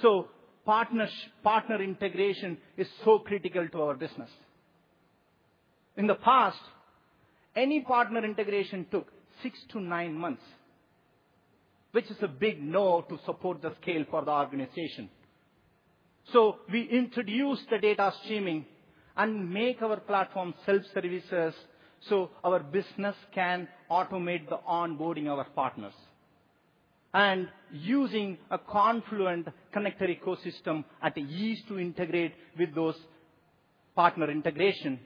so partner integration is so critical to our business. In the past, any partner integration took six to nine months, which is a big no to support the scale for the organization, so we introduced the data streaming and made our platform self-service so our business can automate the onboarding of our partners, and using a Confluent connector ecosystem at ease to integrate with those partner integrations,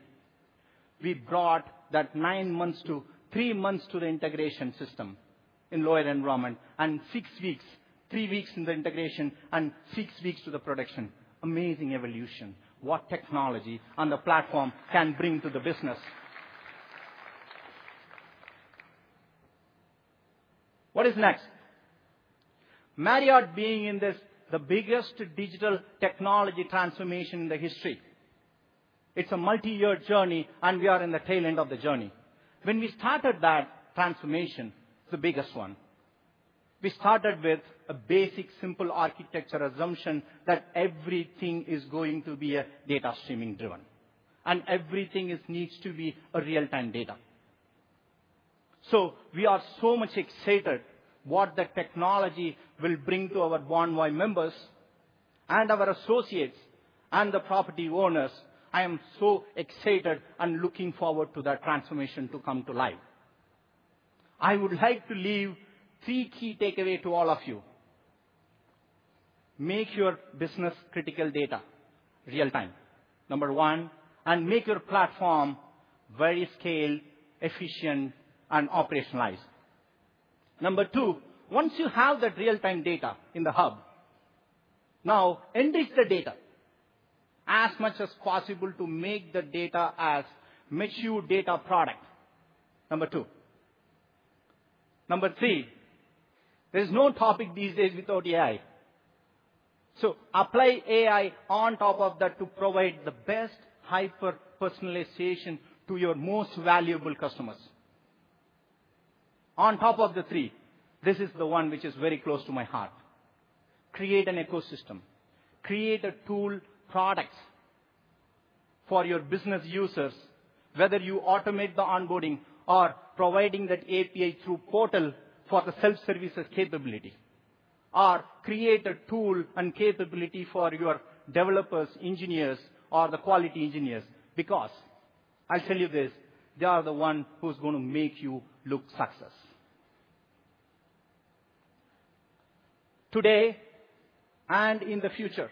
we brought that nine months to three months to the integration system in lower environment and six weeks, three weeks in the integration, and six weeks to the production. Amazing evolution what technology and the platform can bring to the business. What is next? Marriott being in this, the biggest digital technology transformation in the history. It's a multi-year journey, and we are in the tail end of the journey. When we started that transformation, the biggest one, we started with a basic, simple architecture assumption that everything is going to be data streaming-driven, and everything needs to be real-time data. So we are so much excited about what the technology will bring to our Bonvoy members and our associates and the property owners. I am so excited and looking forward to that transformation to come to life. I would like to leave three key takeaways to all of you. Make your business-critical data real-time, number one, and make your platform very scaled, efficient, and operationalized. Number two, once you have that real-time data in the hub, now enrich the data as much as possible to make the data as mature data product, number two. Number three, there's no topic these days without AI. So apply AI on top of that to provide the best hyper-personalization to your most valuable customers. On top of the three, this is the one which is very close to my heart. Create an ecosystem. Create a tool product for your business users, whether you automate the onboarding or provide that API through portal for the self-services capability, or create a tool and capability for your developers, engineers, or the quality engineers because I'll tell you this, they are the ones who are going to make you look successful. Today and in the future,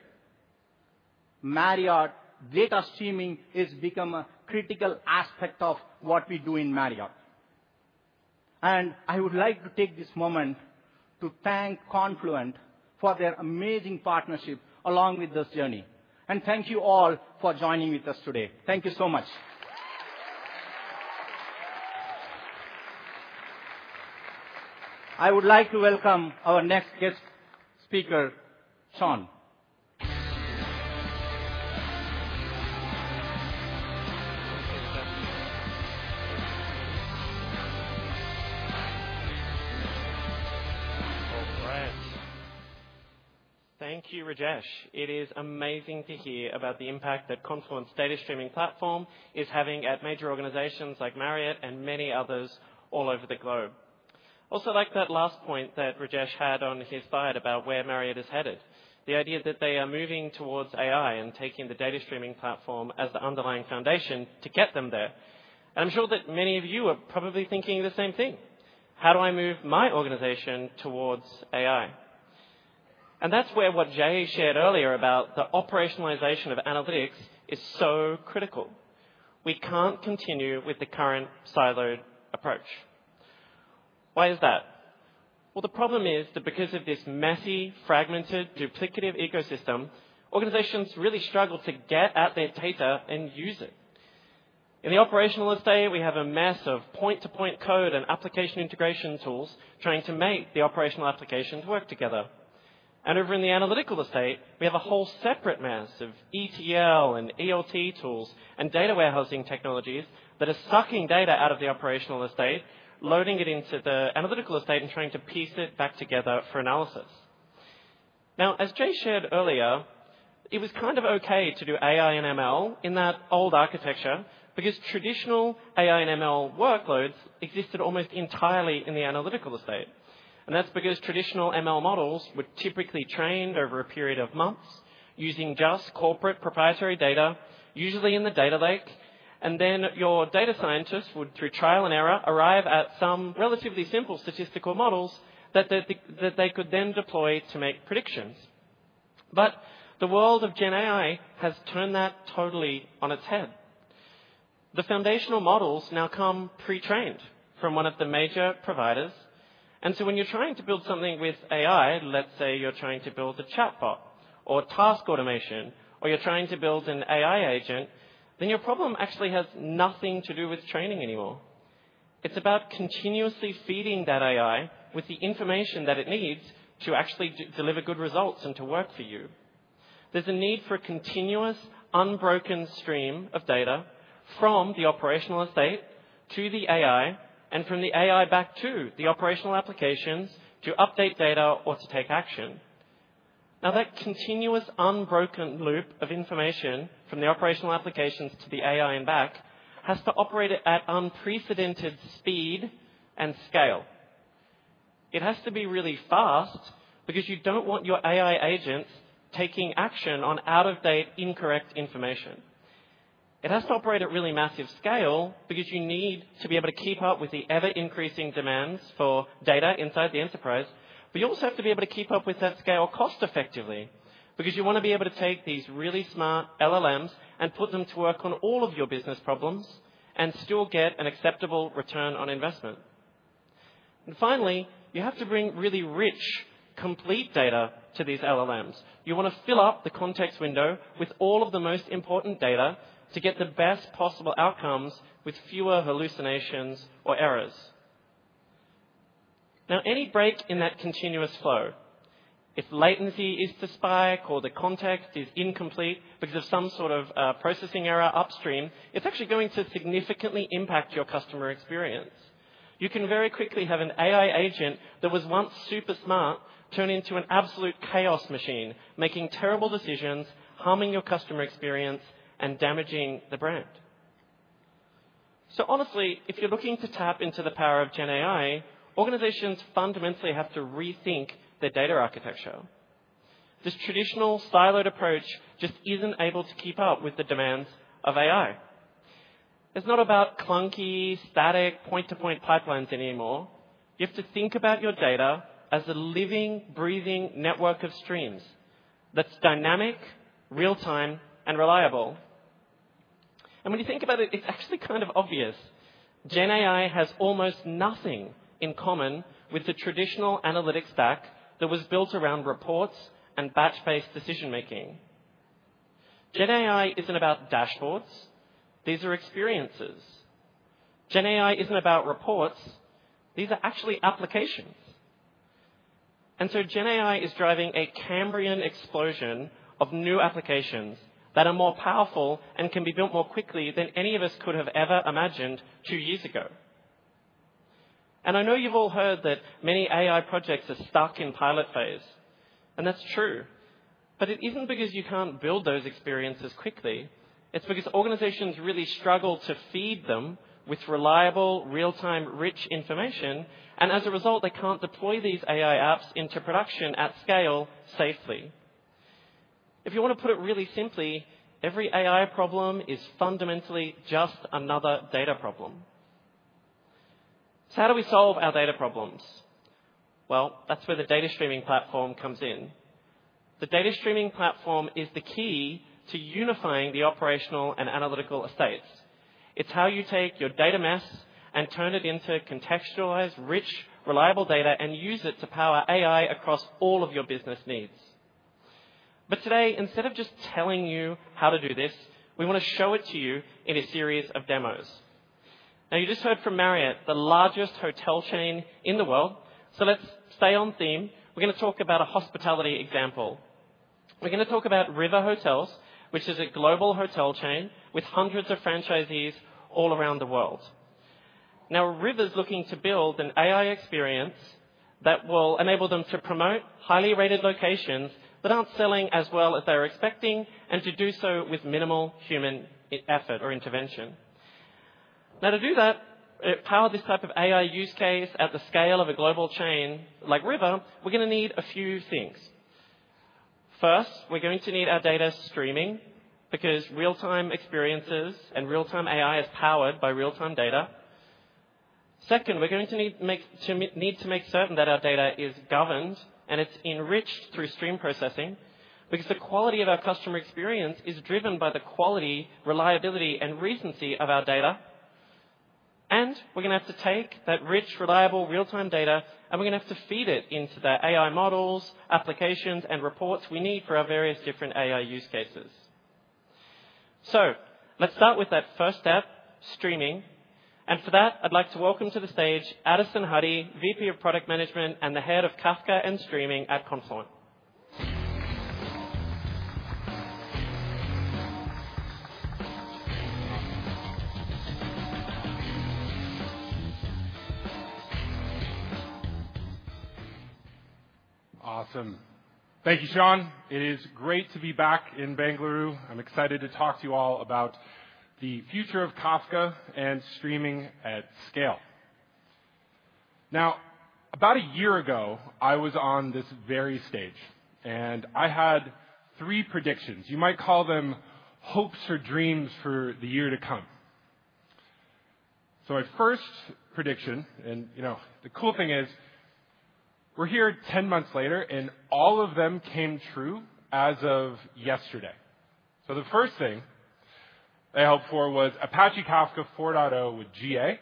Marriott data streaming has become a critical aspect of what we do in Marriott. I would like to take this moment to thank Confluent for their amazing partnership along with this journey. Thank you all for joining with us today. Thank you so much. I would like to welcome our next guest speaker, Shaun. All right. Thank you, Rajesh. It is amazing to hear about the impact that Confluent's data streaming platform is having at major organizations like Marriott and many others all over the globe. I also like that last point that Rajesh had on his side about where Marriott is headed, the idea that they are moving towards AI and taking the data streaming platform as the underlying foundation to get them there. I'm sure that many of you are probably thinking the same thing. How do I move my organization towards AI? That's where what Jay shared earlier about the operationalization of analytics is so critical. We can't continue with the current siloed approach. Why is that? Well, the problem is that because of this messy, fragmented, duplicative ecosystem, organizations really struggle to get at their data and use it. In the operational estate, we have a mess of point-to-point code and application integration tools trying to make the operational applications work together. And over in the analytical estate, we have a whole separate mess of ETL and ELT tools and data warehousing technologies that are sucking data out of the operational estate, loading it into the analytical estate, and trying to piece it back together for analysis. Now, as Jay shared earlier, it was kind of okay to do AI and ML in that old architecture because traditional AI and ML workloads existed almost entirely in the analytical estate. That's because traditional ML models were typically trained over a period of months using just corporate proprietary data, usually in the data lake. And then your data scientists would, through trial and error, arrive at some relatively simple statistical models that they could then deploy to make predictions. But the world of GenAI has turned that totally on its head. The foundational models now come pre-trained from one of the major providers. And so when you're trying to build something with AI, let's say you're trying to build a chatbot or task automation, or you're trying to build an AI agent, then your problem actually has nothing to do with training anymore. It's about continuously feeding that AI with the information that it needs to actually deliver good results and to work for you. There's a need for a continuous, unbroken stream of data from the operational estate to the AI and from the AI back to the operational applications to update data or to take action. Now, that continuous, unbroken loop of information from the operational applications to the AI and back has to operate at unprecedented speed and scale. It has to be really fast because you don't want your AI agents taking action on out-of-date, incorrect information. It has to operate at really massive scale because you need to be able to keep up with the ever-increasing demands for data inside the enterprise. But you also have to be able to keep up with that scale cost-effectively because you want to be able to take these really smart LLMs and put them to work on all of your business problems and still get an acceptable return on investment. Finally, you have to bring really rich, complete data to these LLMs. You want to fill up the context window with all of the most important data to get the best possible outcomes with fewer hallucinations or errors. Now, any break in that continuous flow, if latency is to spike or the context is incomplete because of some sort of processing error upstream, it's actually going to significantly impact your customer experience. You can very quickly have an AI agent that was once super smart turn into an absolute chaos machine, making terrible decisions, harming your customer experience, and damaging the brand. Honestly, if you're looking to tap into the power of GenAI, organizations fundamentally have to rethink their data architecture. This traditional siloed approach just isn't able to keep up with the demands of AI. It's not about clunky, static, point-to-point pipelines anymore. You have to think about your data as a living, breathing network of streams that's dynamic, real-time, and reliable. And when you think about it, it's actually kind of obvious. GenAI has almost nothing in common with the traditional analytics stack that was built around reports and batch-based decision-making. GenAI isn't about dashboards. These are experiences. GenAI isn't about reports. These are actually applications. And so GenAI is driving a Cambrian explosion of new applications that are more powerful and can be built more quickly than any of us could have ever imagined two years ago. And I know you've all heard that many AI projects are stuck in pilot phase. And that's true. But it isn't because you can't build those experiences quickly. It's because organizations really struggle to feed them with reliable, real-time, rich information. As a result, they can't deploy these AI apps into production at scale safely. If you want to put it really simply, every AI problem is fundamentally just another data problem. So how do we solve our data problems? Well, that's where the data streaming platform comes in. The data streaming platform is the key to unifying the operational and analytical estates. It's how you take your data mess and turn it into contextualized, rich, reliable data and use it to power AI across all of your business needs. But today, instead of just telling you how to do this, we want to show it to you in a series of demos. Now, you just heard from Marriott, the largest hotel chain in the world. So let's stay on theme. We're going to talk about a hospitality example. We're going to talk about River Hotels, which is a global hotel chain with hundreds of franchisees all around the world. Now, River is looking to build an AI experience that will enable them to promote highly rated locations that aren't selling as well as they're expecting and to do so with minimal human effort or intervention. Now, to do that, to power this type of AI use case at the scale of a global chain like River, we're going to need a few things. First, we're going to need our data streaming because real-time experiences and real-time AI is powered by real-time data. Second, we're going to need to make certain that our data is governed and it's enriched through stream processing because the quality of our customer experience is driven by the quality, reliability, and recency of our data. We're going to have to take that rich, reliable, real-time data, and we're going to have to feed it into the AI models, applications, and reports we need for our various different AI use cases. Let's start with that first step, streaming. For that, I'd like to welcome to the stage Addison Huddy, VP of Product Management and the head of Kafka and Streaming at Confluent. Awesome. Thank you, Shaun. It is great to be back in Bangalore. I'm excited to talk to you all about the future of Kafka and streaming at scale. Now, about a year ago, I was on this very stage, and I had three predictions. You might call them hopes or dreams for the year to come. My first prediction, and the cool thing is we're here 10 months later, and all of them came true as of yesterday. So the first thing I hoped for was Apache Kafka 4.0 with GA,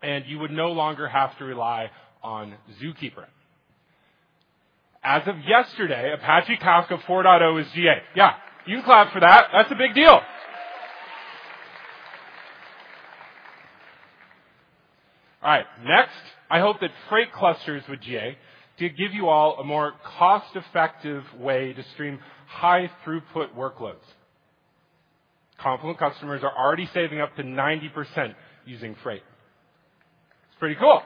and you would no longer have to rely on ZooKeeper. As of yesterday, Apache Kafka 4.0 is GA. Yeah, you can clap for that. That's a big deal. All right. Next, I hope that Freight clusters with GA gives you all a more cost-effective way to stream high-throughput workloads. Confluent customers are already saving up to 90% using Freight. It's pretty cool.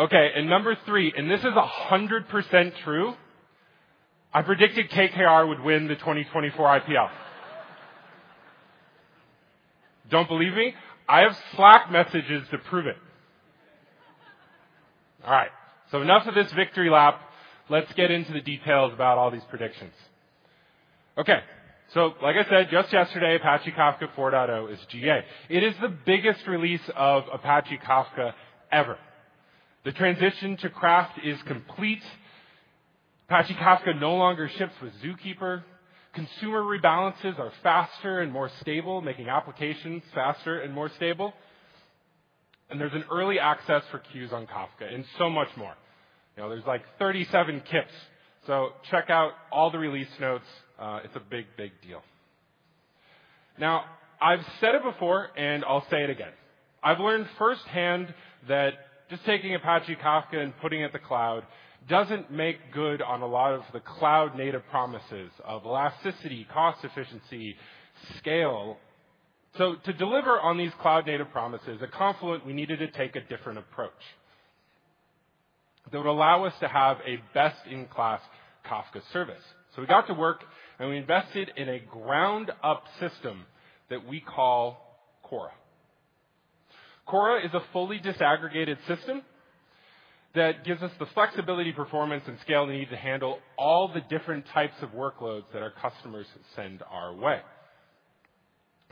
Okay. And number three, and this is 100% true, I predicted KKR would win the 2024 IPL. Don't believe me? I have Slack messages to prove it. All right. So enough of this victory lap. Let's get into the details about all these predictions. Okay. So like I said, just yesterday, Apache Kafka 4.0 is GA. It is the biggest release of Apache Kafka ever. The transition to KRaft is complete. Apache Kafka no longer ships with ZooKeeper. Consumer rebalances are faster and more stable, making applications faster and more stable, and there's an early access for queues on Kafka and so much more. There's like 37 KIPs. So check out all the release notes. It's a big, big deal. Now, I've said it before, and I'll say it again. I've learned firsthand that just taking Apache Kafka and putting it in the cloud doesn't make good on a lot of the cloud-native promises of elasticity, cost efficiency, scale, so to deliver on these cloud-native promises, at Confluent, we needed to take a different approach that would allow us to have a best-in-class Kafka service. So we got to work, and we invested in a ground-up system that we call Kora. Kora is a fully disaggregated system that gives us the flexibility, performance, and scale we need to handle all the different types of workloads that our customers send our way.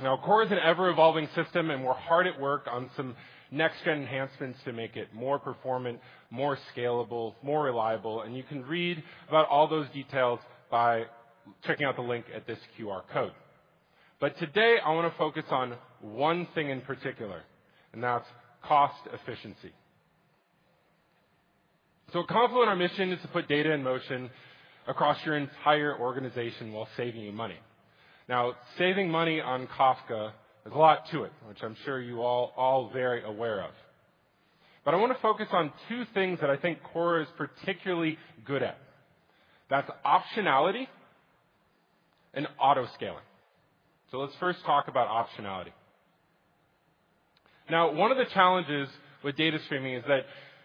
Now, Kora is an ever-evolving system, and we're hard at work on some next-gen enhancements to make it more performant, more scalable, more reliable. And you can read about all those details by checking out the link at this QR code. But today, I want to focus on one thing in particular, and that's cost efficiency. So at Confluent, our mission is to put data in motion across your entire organization while saving you money. Now, saving money on Kafka has a lot to it, which I'm sure you all are very aware of. But I want to focus on two things that I think Kora is particularly good at. That's optionality and auto-scaling. So let's first talk about optionality. Now, one of the challenges with data streaming is that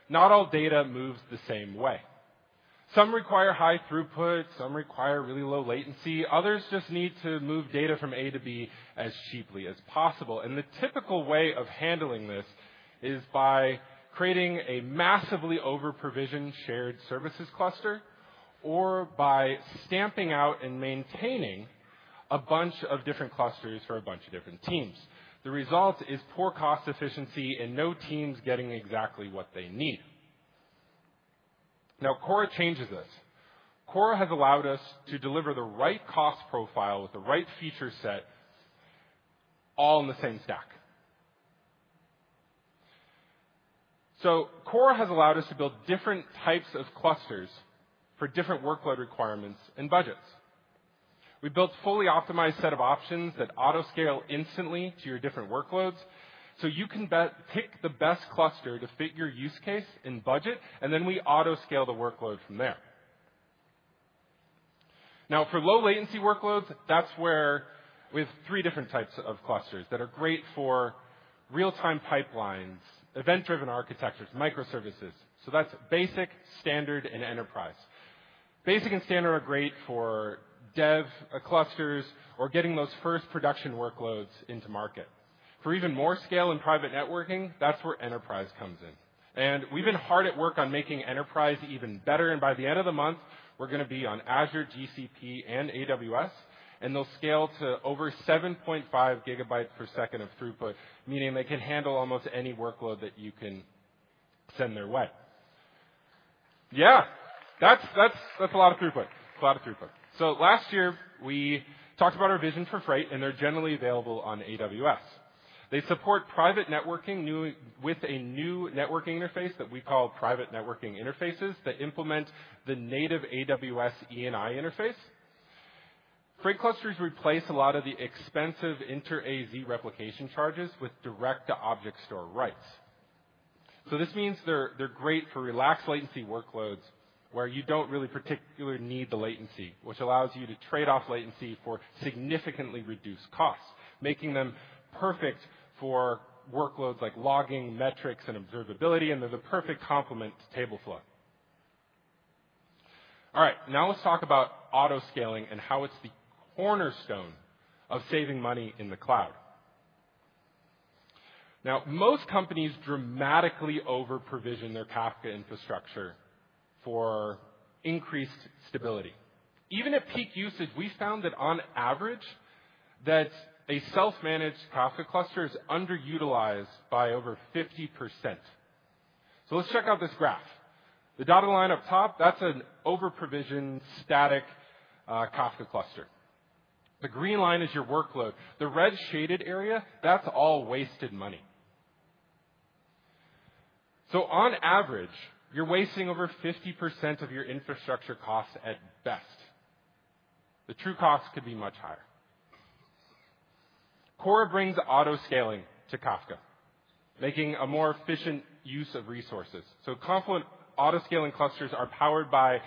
not all data moves the same way. Some require high throughput. Some require really low latency. Others just need to move data from A to B as cheaply as possible, and the typical way of handling this is by creating a massively over-provisioned shared services cluster or by stamping out and maintaining a bunch of different clusters for a bunch of different teams. The result is poor cost efficiency and no teams getting exactly what they need. Now, Kora changes this. Kora has allowed us to deliver the right cost profile with the right feature set, all in the same stack, so Kora has allowed us to build different types of clusters for different workload requirements and budgets. We built a fully optimized set of options that auto-scale instantly to your different workloads. You can pick the best cluster to fit your use case and budget, and then we auto-scale the workload from there. Now, for low-latency workloads, that's where we have three different types of clusters that are great for real-time pipelines, event-driven architectures, microservices. That's Basic, Standard, and Enterprise. Basic and standard are great for dev clusters or getting those first production workloads into market. For even more scale and private networking, that's where enterprise comes in. We've been hard at work on making enterprise even better. By the end of the month, we're going to be on Azure, GCP, and AWS. They'll scale to over 7.5 GB per second of throughput, meaning they can handle almost any workload that you can send their way. Yeah, that's a lot of throughput. It's a lot of throughput. Last year, we talked about our vision for Freight, and they're generally available on AWS. They support private networking with a new networking interface that we call Private Networking Interfaces that implement the native AWS ENI interface. Freight clusters replace a lot of the expensive inter-AZ replication charges with direct-to-object store writes. This means they're great for relaxed latency workloads where you don't really particularly need the latency, which allows you to trade off latency for significantly reduced costs, making them perfect for workloads like logging, metrics, and observability. They're the perfect complement to Tableflow. All right. Now let's talk about auto-scaling and how it's the cornerstone of saving money in the cloud. Most companies dramatically over-provision their Kafka infrastructure for increased stability. Even at peak usage, we found that on average, a self-managed Kafka cluster is underutilized by over 50%. So let's check out this graph. The dotted line up top, that's an over-provisioned static Kafka cluster. The green line is your workload. The red shaded area, that's all wasted money. So on average, you're wasting over 50% of your infrastructure costs at best. The true cost could be much higher. Kora brings auto-scaling to Kafka, making a more efficient use of resources. So Confluent auto-scaling clusters are powered by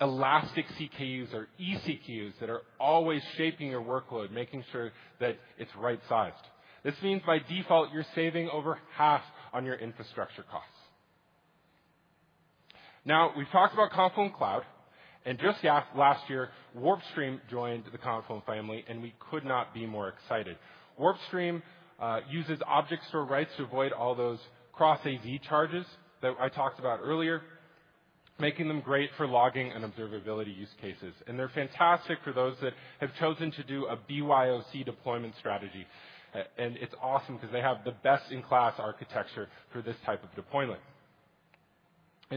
elastic CKUs or eCKUs that are always shaping your workload, making sure that it's right-sized. This means by default, you're saving over half on your infrastructure costs. Now, we've talked about Confluent Cloud. And just last year, WarpStream joined the Confluent family, and we could not be more excited. WarpStream uses object store rights to avoid all those cross-AZ charges that I talked about earlier, making them great for logging and observability use cases. They're fantastic for those that have chosen to do a BYOC deployment strategy. It's awesome because they have the best-in-class architecture for this type of deployment.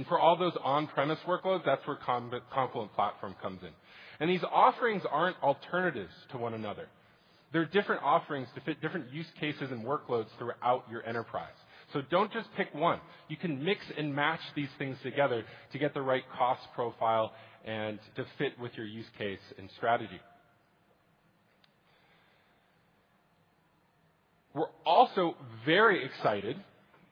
For all those on-premise workloads, that's where Confluent Platform comes in. These offerings aren't alternatives to one another. They're different offerings to fit different use cases and workloads throughout your enterprise. Don't just pick one. You can mix and match these things together to get the right cost profile and to fit with your use case and strategy. We're also very excited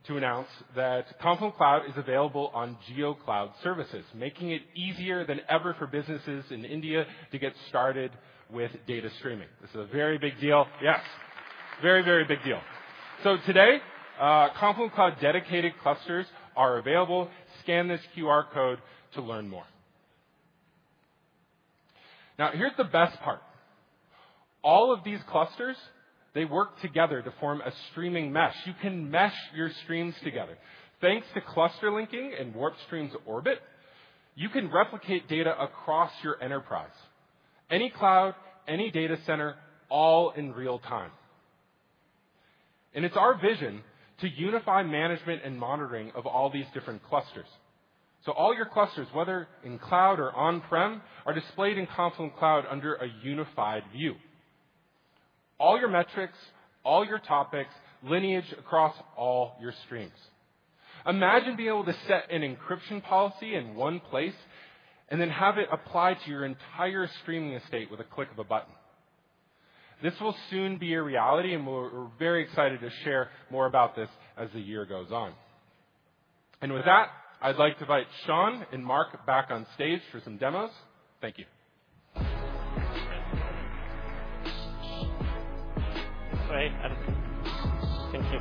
to announce that Confluent Cloud is available on Google Cloud services, making it easier than ever for businesses in India to get started with data streaming. This is a very big deal. Yes, very, very big deal. Today, Confluent Cloud Dedicated clusters are available. Scan this QR code to learn more. Now, here's the best part. All of these clusters, they work together to form a streaming mesh. You can mesh your streams together. Thanks to Cluster Linking and WarpStream's Orbit, you can replicate data across your enterprise, any cloud, any data center, all in real time, and it's our vision to unify management and monitoring of all these different clusters, so all your clusters, whether in cloud or on-prem, are displayed in Confluent Cloud under a unified view. All your metrics, all your topics, lineage across all your streams. Imagine being able to set an encryption policy in one place and then have it applied to your entire streaming estate with a click of a button. This will soon be a reality, and we're very excited to share more about this as the year goes on, and with that, I'd like to invite Shaun and Marc back on stage for some demos. Thank you. Thank you.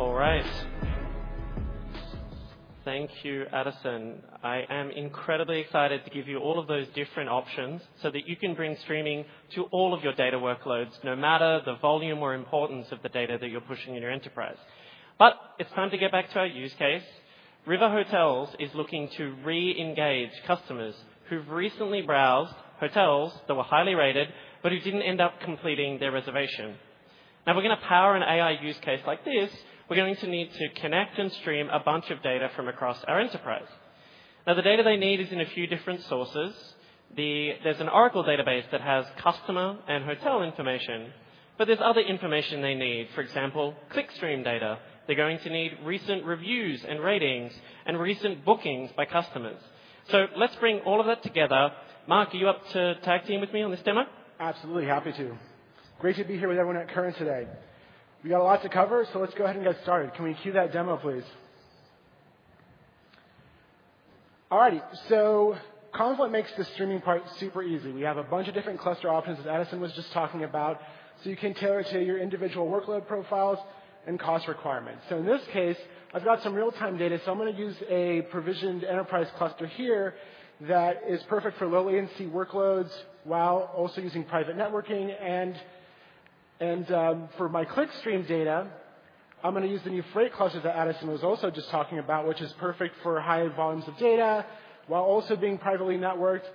All right. Thank you, Addison. I am incredibly excited to give you all of those different options so that you can bring streaming to all of your data workloads, no matter the volume or importance of the data that you're pushing in your enterprise. But it's time to get back to our use case. River Hotels is looking to re-engage customers who've recently browsed hotels that were highly rated but who didn't end up completing their reservation. Now, we're going to power an AI use case like this. We're going to need to connect and stream a bunch of data from across our enterprise. Now, the data they need is in a few different sources. There's an Oracle database that has customer and hotel information, but there's other information they need. For example, clickstream data. They're going to need recent reviews and ratings and recent bookings by customers. So let's bring all of that together. Marc, are you up to tag team with me on this demo? Absolutely. Happy to. Great to be here with everyone at Current today. We got a lot to cover, so let's go ahead and get started. Can we cue that demo, please? All righty, so Confluent makes the streaming part super easy. We have a bunch of different cluster options, as Addison was just talking about, so you can tailor it to your individual workload profiles and cost requirements, so in this case, I've got some real-time data, so I'm going to use a provisioned enterprise cluster here that is perfect for low-latency workloads while also using private networking, and for my clickstream data, I'm going to use the new Freight clusters that Addison was also just talking about, which is perfect for high volumes of data while also being privately networked,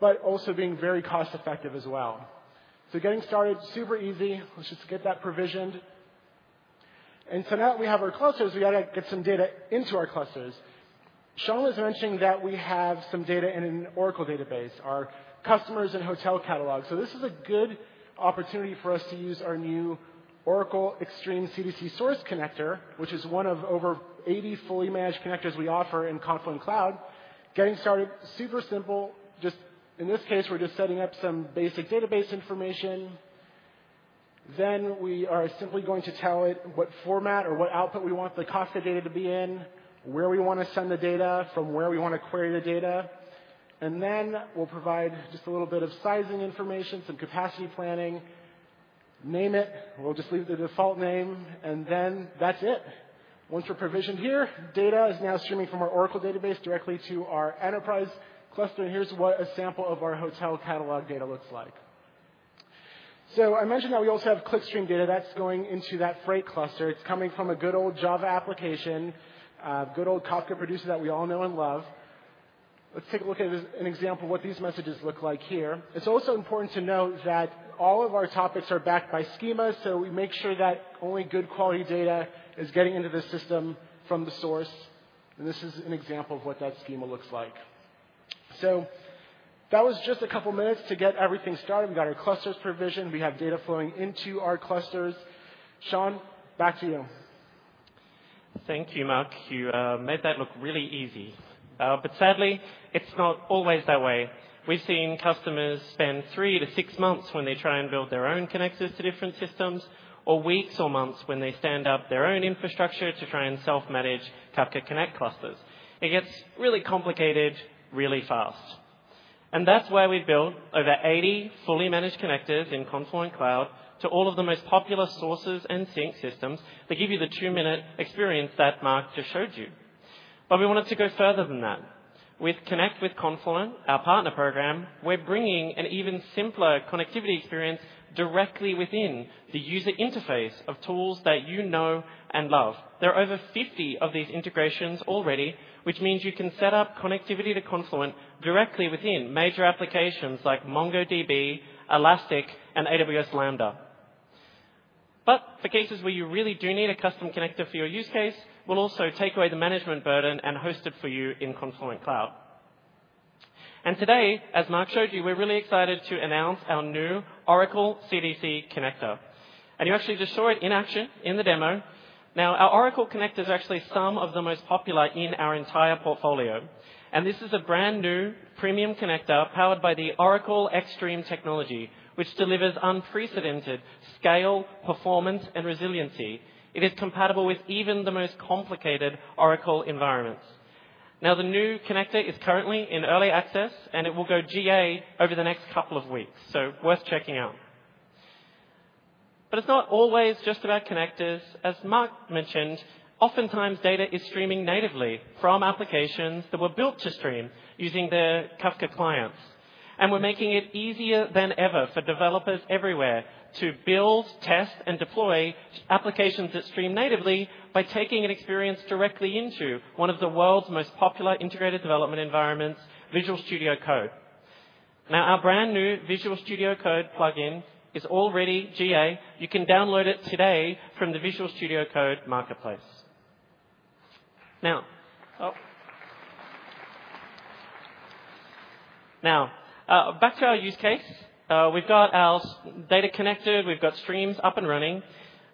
but also being very cost-effective as well, so getting started is super easy. Let's just get that provisioned. And so now that we have our clusters, we got to get some data into our clusters. Shaun was mentioning that we have some data in an Oracle database, our customers and hotel catalog. So this is a good opportunity for us to use our new Oracle XStream CDC Source Connector, which is one of over 80 fully managed connectors we offer in Confluent Cloud. Getting started, super simple. Just in this case, we're just setting up some basic database information. Then we are simply going to tell it what format or what output we want the source of data to be in, where we want to send the data, from where we want to query the data. And then we'll provide just a little bit of sizing information, some capacity planning, name it. We'll just leave the default name. And then that's it. Once we're provisioned here, data is now streaming from our Oracle database directly to our enterprise cluster. And here's what a sample of our hotel catalog data looks like. So I mentioned that we also have clickstream data that's going into that Freight cluster. It's coming from a good old Java application, a good old Kafka producer that we all know and love. Let's take a look at an example of what these messages look like here. It's also important to note that all of our topics are backed by schemas, so we make sure that only good quality data is getting into the system from the source. And this is an example of what that schema looks like. So that was just a couple of minutes to get everything started. We got our clusters provisioned. We have data flowing into our clusters. Shaun, back to you. Thank you, Marc. You made that look really easy. But sadly, it's not always that way. We've seen customers spend three to six months when they try and build their own connectors to different systems, or weeks or months when they stand up their own infrastructure to try and self-manage Kafka Connect clusters. It gets really complicated really fast. And that's why we built over 80 fully managed connectors in Confluent Cloud to all of the most popular sources and sink systems that give you the two-minute experience that Marc just showed you. But we wanted to go further than that. With Connect with Confluent, our partner program, we're bringing an even simpler connectivity experience directly within the user interface of tools that you know and love. There are over 50 of these integrations already, which means you can set up connectivity to Confluent directly within major applications like MongoDB, Elastic, and AWS Lambda. But for cases where you really do need a custom connector for your use case, we'll also take away the management burden and host it for you in Confluent Cloud, and today, as Marc showed you, we're really excited to announce our new Oracle CDC Connector. You actually just saw it in action in the demo. Now, our Oracle connectors are actually some of the most popular in our entire portfolio, and this is a brand new premium connector powered by the Oracle XStream technology, which delivers unprecedented scale, performance, and resiliency. It is compatible with even the most complicated Oracle environments. Now, the new connector is currently in early access, and it will go GA over the next couple of weeks, so worth checking out. But it's not always just about connectors. As Marc mentioned, oftentimes data is streaming natively from applications that were built to stream using their Kafka clients. And we're making it easier than ever for developers everywhere to build, test, and deploy applications that stream natively by taking an experience directly into one of the world's most popular integrated development environments, Visual Studio Code. Now, our brand new Visual Studio Code plugin is already GA. You can download it today from the Visual Studio Code marketplace. Now, back to our use case. We've got our data connected. We've got streams up and running.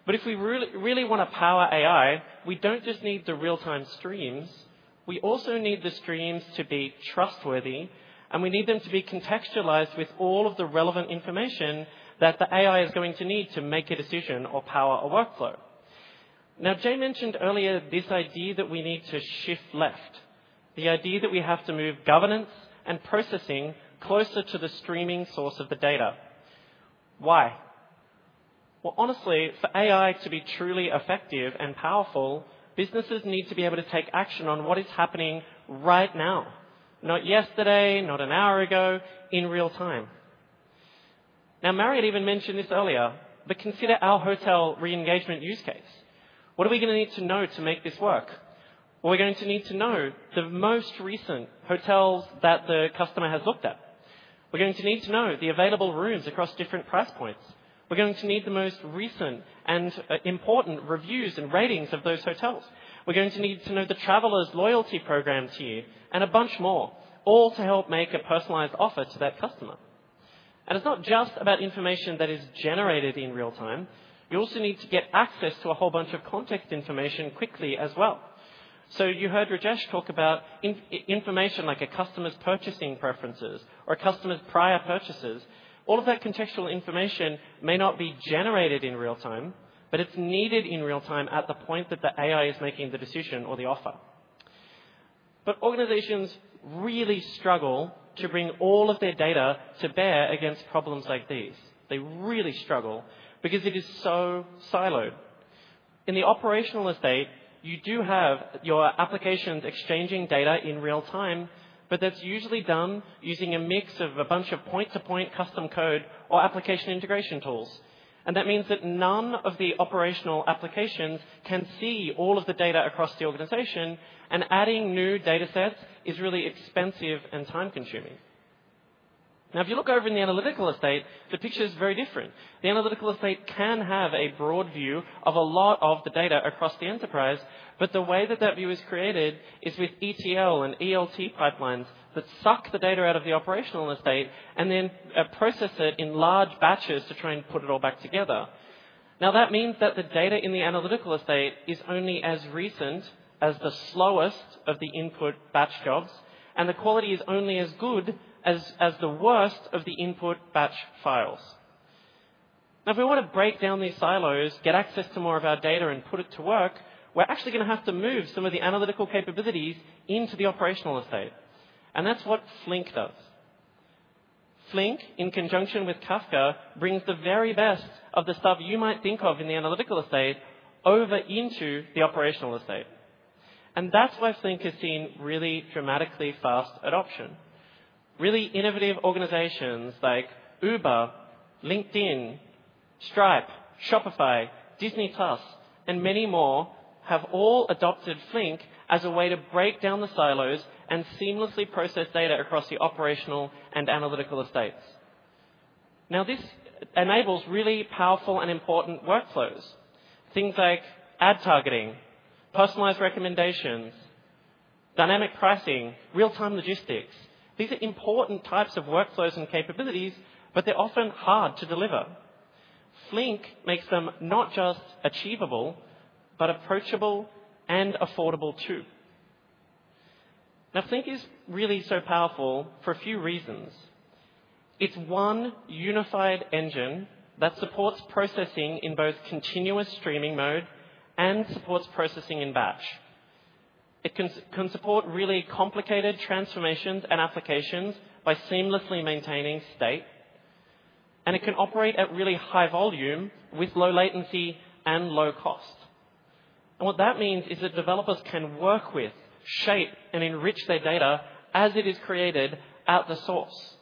But if we really want to power AI, we don't just need the real-time streams. We also need the streams to be trustworthy, and we need them to be contextualized with all of the relevant information that the AI is going to need to make a decision or power a workflow. Now, Jay mentioned earlier this idea that we need to shift left, the idea that we have to move governance and processing closer to the streaming source of the data. Why? Well, honestly, for AI to be truly effective and powerful, businesses need to be able to take action on what is happening right now, not yesterday, not an hour ago, in real time. Now, Marriott had even mentioned this earlier, but consider our hotel re-engagement use case. What are we going to need to know to make this work? Well, we're going to need to know the most recent hotels that the customer has looked at. We're going to need to know the available rooms across different price points. We're going to need the most recent and important reviews and ratings of those hotels. We're going to need to know the travelers' loyalty programs here and a bunch more, all to help make a personalized offer to that customer. And it's not just about information that is generated in real time. You also need to get access to a whole bunch of context information quickly as well. So you heard Rajesh talk about information like a customer's purchasing preferences or a customer's prior purchases. All of that contextual information may not be generated in real time, but it's needed in real time at the point that the AI is making the decision or the offer. But organizations really struggle to bring all of their data to bear against problems like these. They really struggle because it is so siloed. In the operational estate, you do have your applications exchanging data in real time, but that's usually done using a mix of a bunch of point-to-point custom code or application integration tools, and that means that none of the operational applications can see all of the data across the organization, and adding new data sets is really expensive and time-consuming. Now, if you look over in the analytical estate, the picture is very different. The analytical estate can have a broad view of a lot of the data across the enterprise, but the way that that view is created is with ETL and ELT pipelines that suck the data out of the operational estate and then process it in large batches to try and put it all back together. Now, that means that the data in the analytical estate is only as recent as the slowest of the input batch jobs, and the quality is only as good as the worst of the input batch files. Now, if we want to break down these silos, get access to more of our data, and put it to work, we're actually going to have to move some of the analytical capabilities into the operational estate, and that's what Flink does. Flink, in conjunction with Kafka, brings the very best of the stuff you might think of in the analytical estate over into the operational estate, and that's why Flink has seen really dramatically fast adoption. Really innovative organizations like Uber, LinkedIn, Stripe, Shopify, Disney+, and many more have all adopted Flink as a way to break down the silos and seamlessly process data across the operational and analytical estates. Now, this enables really powerful and important workflows, things like ad targeting, personalized recommendations, dynamic pricing, real-time logistics. These are important types of workflows and capabilities, but they're often hard to deliver. Flink makes them not just achievable, but approachable and affordable too. Now, Flink is really so powerful for a few reasons. It's one unified engine that supports processing in both continuous streaming mode and supports processing in batch. It can support really complicated transformations and applications by seamlessly maintaining state, and it can operate at really high volume with low latency and low cost. And what that means is that developers can work with, shape, and enrich their data as it is created at the source.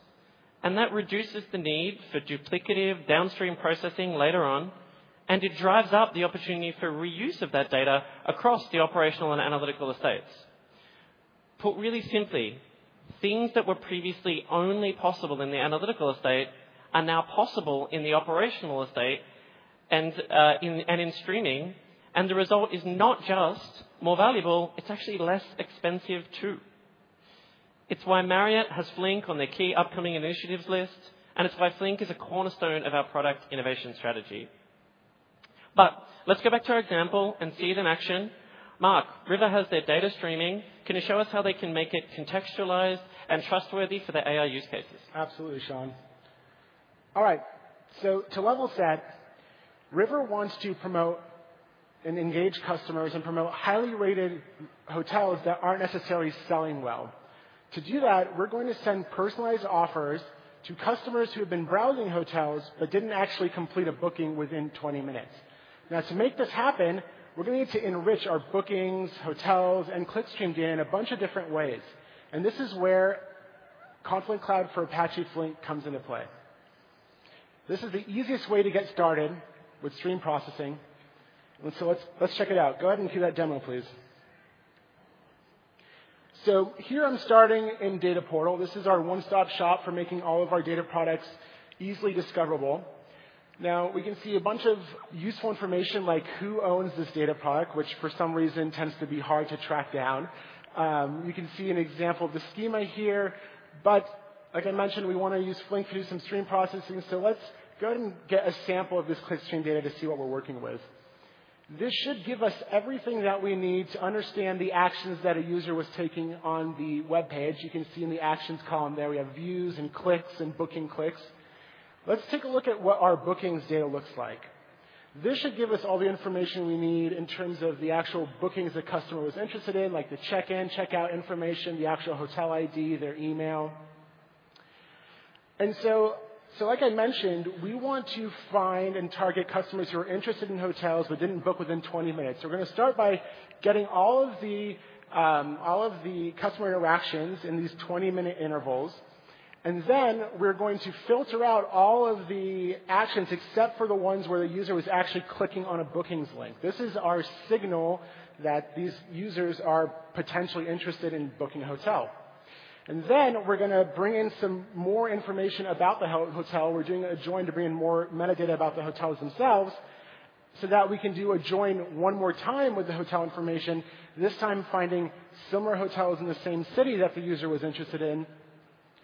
And that reduces the need for duplicative downstream processing later on, and it drives up the opportunity for reuse of that data across the operational and analytical estates. Put really simply, things that were previously only possible in the analytical estate are now possible in the operational estate and in streaming. And the result is not just more valuable, it's actually less expensive too. It's why Marriott has Flink on their key upcoming initiatives list, and it's why Flink is a cornerstone of our product innovation strategy. But let's go back to our example and see it in action. Marc, River has their data streaming. Can you show us how they can make it contextualized and trustworthy for the AI use cases? Absolutely, Shaun. All right. So to level set, River wants to promote and engage customers and promote highly rated hotels that aren't necessarily selling well. To do that, we're going to send personalized offers to customers who have been browsing hotels but didn't actually complete a booking within 20 minutes. Now, to make this happen, we're going to need to enrich our bookings, hotels, and clickstream data in a bunch of different ways. And this is where Confluent Cloud for Apache Flink comes into play. This is the easiest way to get started with stream processing. And so let's check it out. Go ahead and do that demo, please. So here I'm starting in Data Portal. This is our one-stop shop for making all of our data products easily discoverable. Now, we can see a bunch of useful information like who owns this data product, which for some reason tends to be hard to track down. You can see an example of the schema here. But like I mentioned, we want to use Flink to do some stream processing. So let's go ahead and get a sample of this clickstream data to see what we're working with. This should give us everything that we need to understand the actions that a user was taking on the web page. You can see in the actions column there we have views and clicks and booking clicks. Let's take a look at what our bookings data looks like. This should give us all the information we need in terms of the actual bookings the customer was interested in, like the check-in, check-out information, the actual hotel ID, their email. And so, like I mentioned, we want to find and target customers who are interested in hotels but didn't book within 20 minutes. We're going to start by getting all of the customer interactions in these 20-minute intervals. And then we're going to filter out all of the actions except for the ones where the user was actually clicking on a bookings link. This is our signal that these users are potentially interested in booking a hotel. And then we're going to bring in some more information about the hotel. We're doing a join to bring in more metadata about the hotels themselves so that we can do a join one more time with the hotel information, this time finding similar hotels in the same city that the user was interested in,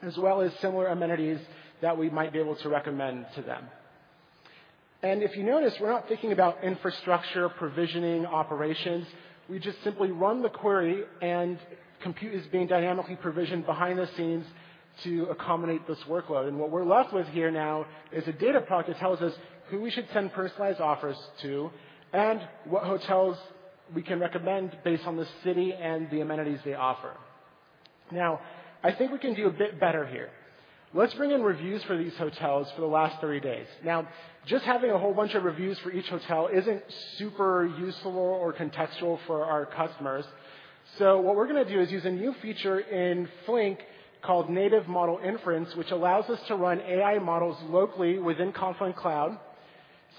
as well as similar amenities that we might be able to recommend to them. And if you notice, we're not thinking about infrastructure provisioning operations. We just simply run the query, and compute is being dynamically provisioned behind the scenes to accommodate this workload. And what we're left with here now is a data product that tells us who we should send personalized offers to and what hotels we can recommend based on the city and the amenities they offer. Now, I think we can do a bit better here. Let's bring in reviews for these hotels for the last 30 days. Now, just having a whole bunch of reviews for each hotel isn't super useful or contextual for our customers. So what we're going to do is use a new feature in Flink called Native Model Inference, which allows us to run AI models locally within Confluent Cloud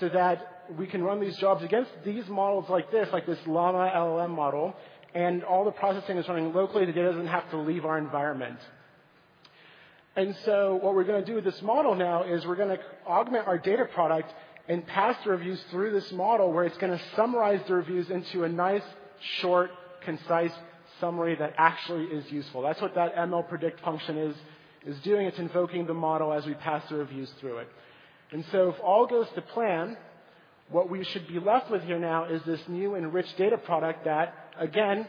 so that we can run these jobs against these models like this, like this Llama LLM model. And all the processing is running locally. The data doesn't have to leave our environment. And so what we're going to do with this model now is we're going to augment our data product and pass the reviews through this model where it's going to summarize the reviews into a nice, short, concise summary that actually is useful. That's what that ML predict function is doing. It's invoking the model as we pass the reviews through it. And so if all goes to plan, what we should be left with here now is this new enriched data product that, again,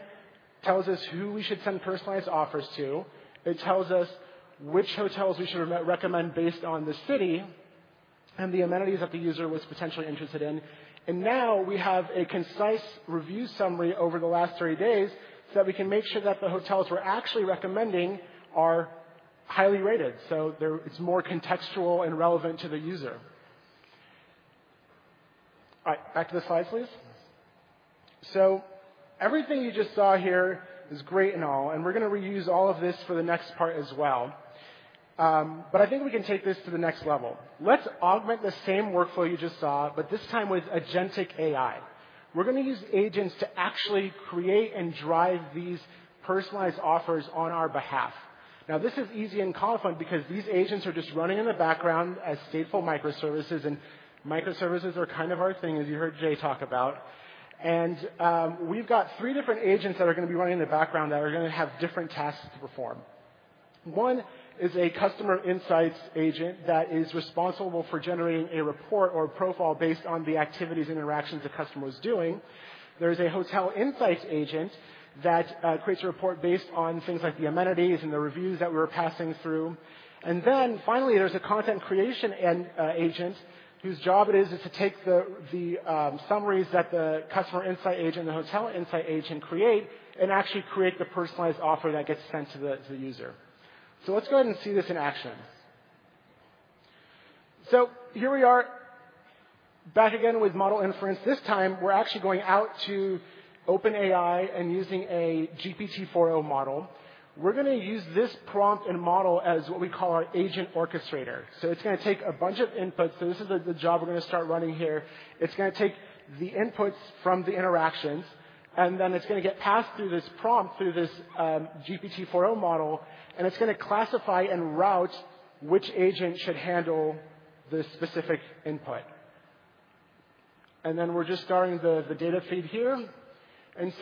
tells us who we should send personalized offers to. It tells us which hotels we should recommend based on the city and the amenities that the user was potentially interested in. And now we have a concise review summary over the last 30 days so that we can make sure that the hotels we're actually recommending are highly rated. So it's more contextual and relevant to the user. All right. Back to the slides, please. So everything you just saw here is great and all, and we're going to reuse all of this for the next part as well. But I think we can take this to the next level. Let's augment the same workflow you just saw, but this time with agentic AI. We're going to use agents to actually create and drive these personalized offers on our behalf. Now, this is easy in Confluent because these agents are just running in the background as stateful microservices, and microservices are kind of our thing, as you heard Jay talk about. And we've got three different agents that are going to be running in the background that are going to have different tasks to perform. One is a customer insights agent that is responsible for generating a report or a profile based on the activities and interactions the customer is doing. There is a hotel insights agent that creates a report based on things like the amenities and the reviews that we were passing through. And then finally, there's a content creation agent whose job it is to take the summaries that the customer insight agent and the hotel insight agent create and actually create the personalized offer that gets sent to the user. So let's go ahead and see this in action. So here we are. Back again with model inference. This time, we're actually going out to OpenAI and using a GPT-4o model. We're going to use this prompt and model as what we call our agent orchestrator. So it's going to take a bunch of inputs. So this is the job we're going to start running here. It's going to take the inputs from the interactions, and then it's going to get passed through this prompt through this GPT-4o model, and it's going to classify and route which agent should handle the specific input. Then we're just starting the data feed here.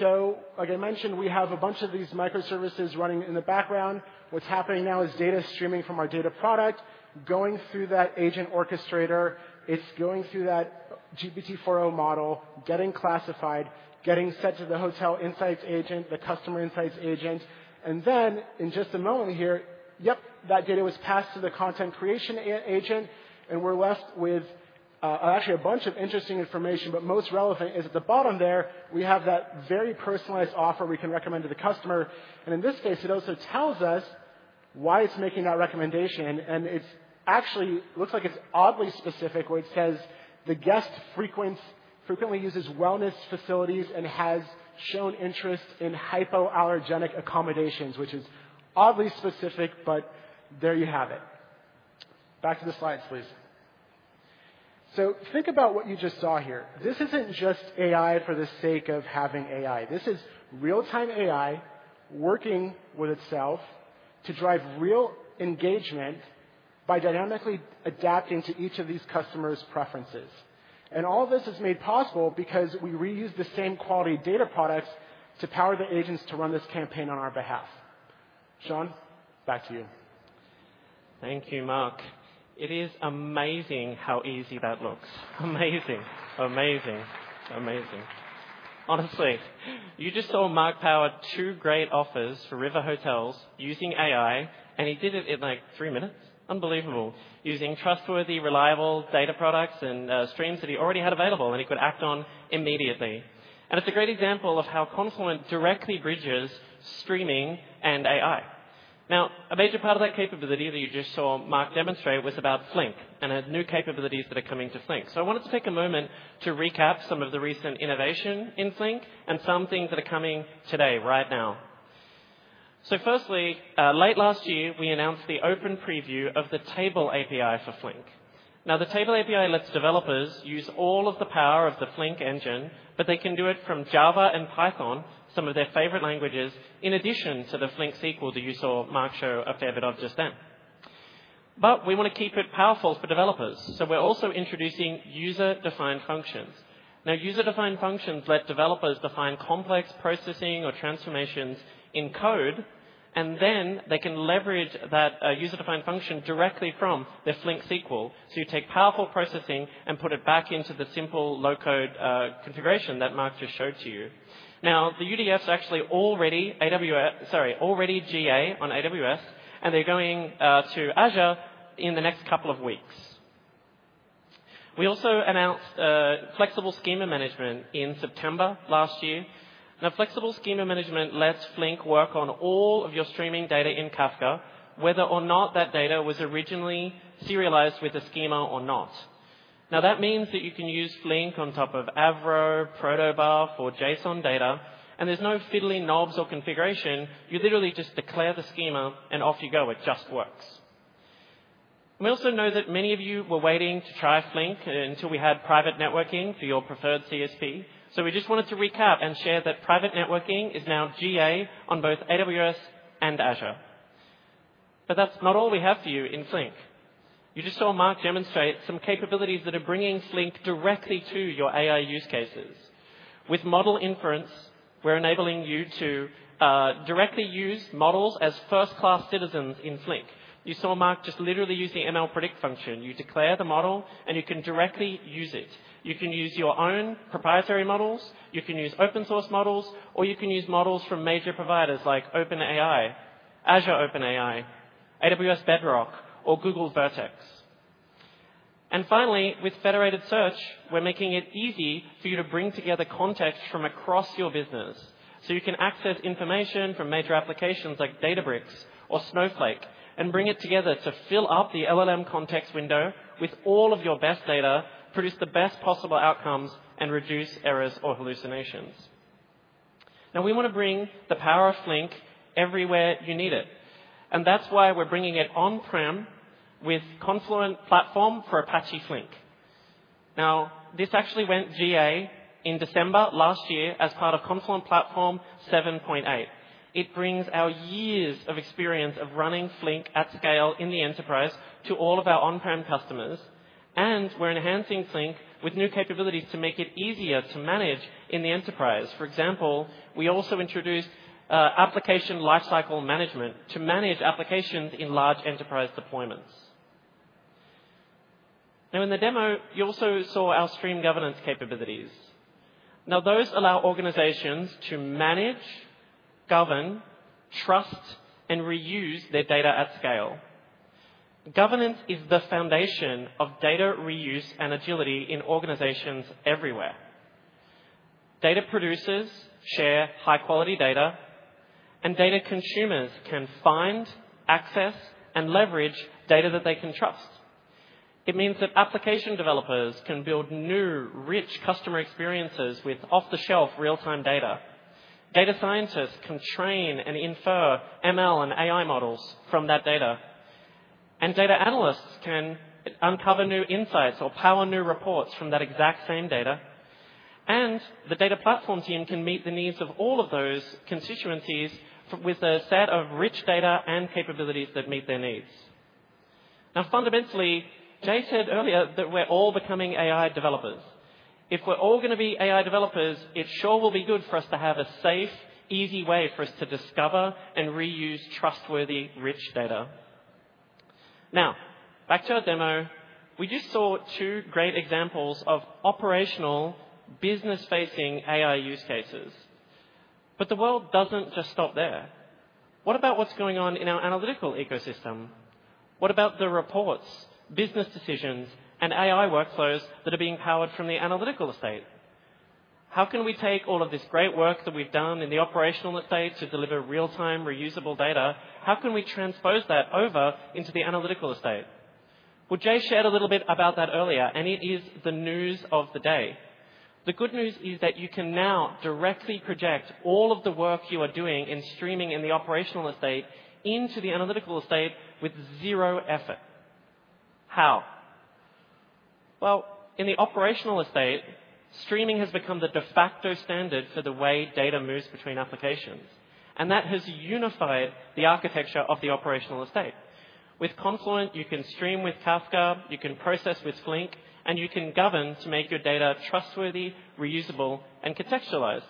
So, like I mentioned, we have a bunch of these microservices running in the background. What's happening now is data streaming from our data product going through that agent orchestrator. It's going through that GPT-4o model, getting classified, getting sent to the hotel insights agent, the customer insights agent. Then in just a moment here, yep, that data was passed to the content creation agent, and we're left with actually a bunch of interesting information. Most relevant is at the bottom there, we have that very personalized offer we can recommend to the customer. In this case, it also tells us why it's making that recommendation. And it actually looks like it's oddly specific where it says the guest frequently uses wellness facilities and has shown interest in hypoallergenic accommodations, which is oddly specific, but there you have it. Back to the slides, please. So think about what you just saw here. This isn't just AI for the sake of having AI. This is real-time AI working with itself to drive real engagement by dynamically adapting to each of these customers' preferences. And all this is made possible because we reuse the same quality data products to power the agents to run this campaign on our behalf. Shaun, back to you. Thank you, Marc. It is amazing how easy that looks. Amazing, amazing, amazing. Honestly, you just saw Marc power two great offers for River Hotels using AI, and he did it in like three minutes. Unbelievable. Using trustworthy, reliable data products and streams that he already had available, and he could act on immediately, and it's a great example of how Confluent directly bridges streaming and AI. Now, a major part of that capability that you just saw Marc demonstrate was about Flink and the new capabilities that are coming to Flink, so I wanted to take a moment to recap some of the recent innovation in Flink and some things that are coming today, right now, so firstly, late last year, we announced the open preview of the Table API for Flink. Now, the Table API lets developers use all of the power of the Flink engine, but they can do it from Java and Python, some of their favorite languages, in addition to the Flink SQL that you saw Marc show a fair bit of just then. But we want to keep it powerful for developers. So we're also introducing user-defined functions. Now, user-defined functions let developers define complex processing or transformations in code, and then they can leverage that user-defined function directly from their Flink SQL. So you take powerful processing and put it back into the simple low-code configuration that Marc just showed to you. Now, the UDFs are actually already GA on AWS, and they're going to Azure in the next couple of weeks. We also announced flexible schema management in September last year. Now, flexible schema management lets Flink work on all of your streaming data in Kafka, whether or not that data was originally serialized with a schema or not. Now, that means that you can use Flink on top of Avro, Protobuf, or JSON data, and there's no fiddling knobs or configuration. You literally just declare the schema, and off you go. It just works. We also know that many of you were waiting to try Flink until we had private networking for your preferred CSP. So we just wanted to recap and share that private networking is now GA on both AWS and Azure. But that's not all we have for you in Flink. You just saw Marc demonstrate some capabilities that are bringing Flink directly to your AI use cases. With model inference, we're enabling you to directly use models as first-class citizens in Flink. You saw Marc just literally use the ML predict function. You declare the model, and you can directly use it. You can use your own proprietary models. You can use open-source models, or you can use models from major providers like OpenAI, Azure OpenAI, AWS Bedrock, or Google Vertex, and finally, with federated search, we're making it easy for you to bring together context from across your business so you can access information from major applications like Databricks or Snowflake and bring it together to fill up the LLM context window with all of your best data, produce the best possible outcomes, and reduce errors or hallucinations. Now, we want to bring the power of Flink everywhere you need it, and that's why we're bringing it on-prem with Confluent Platform for Apache Flink. Now, this actually went GA in December last year as part of Confluent Platform 7.8. It brings our years of experience of running Flink at scale in the enterprise to all of our on-prem customers. And we're enhancing Flink with new capabilities to make it easier to manage in the enterprise. For example, we also introduced application lifecycle management to manage applications in large enterprise deployments. Now, in the demo, you also saw our Stream Governance capabilities. Now, those allow organizations to manage, govern, trust, and reuse their data at scale. Governance is the foundation of data reuse and agility in organizations everywhere. Data producers share high-quality data, and data consumers can find, access, and leverage data that they can trust. It means that application developers can build new, rich customer experiences with off-the-shelf real-time data. Data scientists can train and infer ML and AI models from that data. And data analysts can uncover new insights or power new reports from that exact same data. The data platform team can meet the needs of all of those constituencies with a set of rich data and capabilities that meet their needs. Now, fundamentally, Jay said earlier that we're all becoming AI developers. If we're all going to be AI developers, it sure will be good for us to have a safe, easy way for us to discover and reuse trustworthy, rich data. Now, back to our demo. We just saw two great examples of operational, business-facing AI use cases. But the world doesn't just stop there. What about what's going on in our analytical ecosystem? What about the reports, business decisions, and AI workflows that are being powered from the analytical estate? How can we take all of this great work that we've done in the operational estate to deliver real-time, reusable data? How can we transpose that over into the analytical estate? Jay shared a little bit about that earlier, and it is the news of the day. The good news is that you can now directly project all of the work you are doing in streaming in the operational estate into the analytical estate with zero effort. How? In the operational estate, streaming has become the de facto standard for the way data moves between applications, and that has unified the architecture of the operational estate. With Confluent, you can stream with Kafka. You can process with Flink, and you can govern to make your data trustworthy, reusable, and contextualized,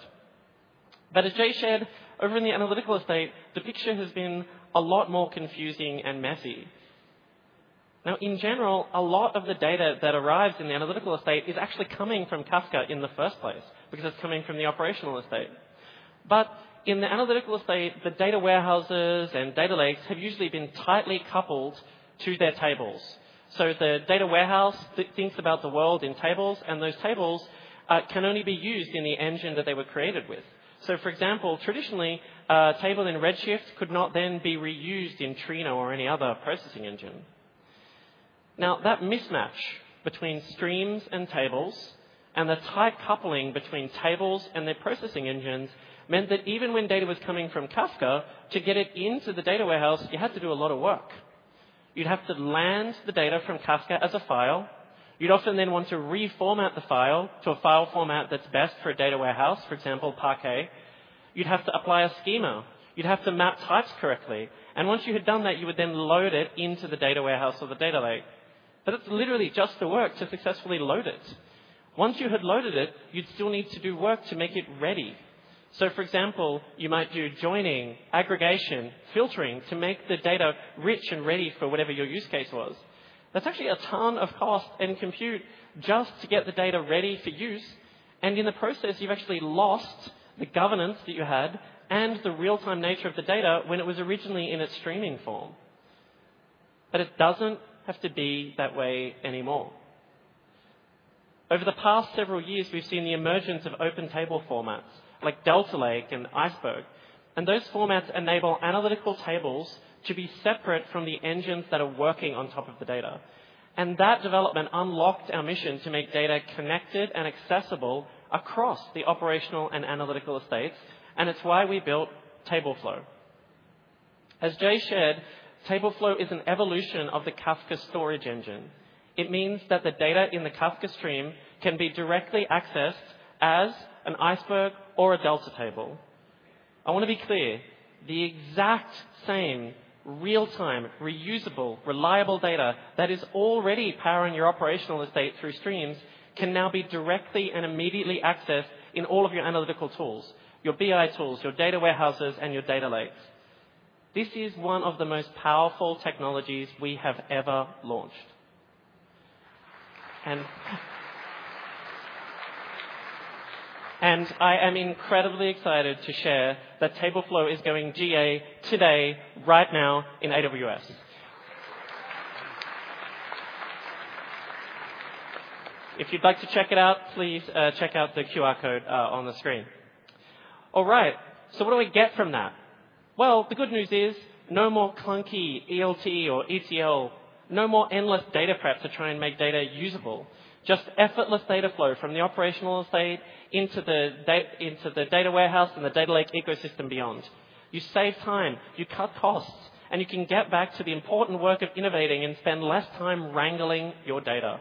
but as Jay shared, over in the analytical estate, the picture has been a lot more confusing and messy. Now, in general, a lot of the data that arrives in the analytical estate is actually coming from Kafka in the first place because it's coming from the operational estate. But in the analytical estate, the data warehouses and data lakes have usually been tightly coupled to their tables. So the data warehouse thinks about the world in tables, and those tables can only be used in the engine that they were created with. So, for example, traditionally, a table in Redshift could not then be reused in Trino or any other processing engine. Now, that mismatch between streams and tables and the tight coupling between tables and their processing engines meant that even when data was coming from Kafka, to get it into the data warehouse, you had to do a lot of work. You'd have to land the data from Kafka as a file. You'd often then want to reformat the file to a file format that's best for a data warehouse, for example, Parquet. You'd have to apply a schema. You'd have to map types correctly. Once you had done that, you would then load it into the data warehouse or the data lake. It's literally just the work to successfully load it. Once you had loaded it, you'd still need to do work to make it ready. For example, you might do joining, aggregation, filtering to make the data rich and ready for whatever your use case was. That's actually a ton of cost and compute just to get the data ready for use. In the process, you've actually lost the governance that you had and the real-time nature of the data when it was originally in its streaming form. It doesn't have to be that way anymore. Over the past several years, we've seen the emergence of open table formats like Delta Lake and Iceberg. And those formats enable analytical tables to be separate from the engines that are working on top of the data. And that development unlocked our mission to make data connected and accessible across the operational and analytical estates. And it's why we built Tableflow. As Jay shared, Tableflow is an evolution of the Kafka storage engine. It means that the data in the Kafka stream can be directly accessed as an Iceberg or a Delta table. I want to be clear. The exact same real-time, reusable, reliable data that is already powering your operational estate through streams can now be directly and immediately accessed in all of your analytical tools, your BI tools, your data warehouses, and your data lakes. This is one of the most powerful technologies we have ever launched. And I am incredibly excited to share that Tableflow is going GA today, right now in AWS. If you'd like to check it out, please check out the QR code on the screen. All right, so what do we get from that? Well, the good news is no more clunky ELT or ETL, no more endless data prep to try and make data usable, just effortless data flow from the operational estate into the data warehouse and the data lake ecosystem beyond. You save time, you cut costs, and you can get back to the important work of innovating and spend less time wrangling your data.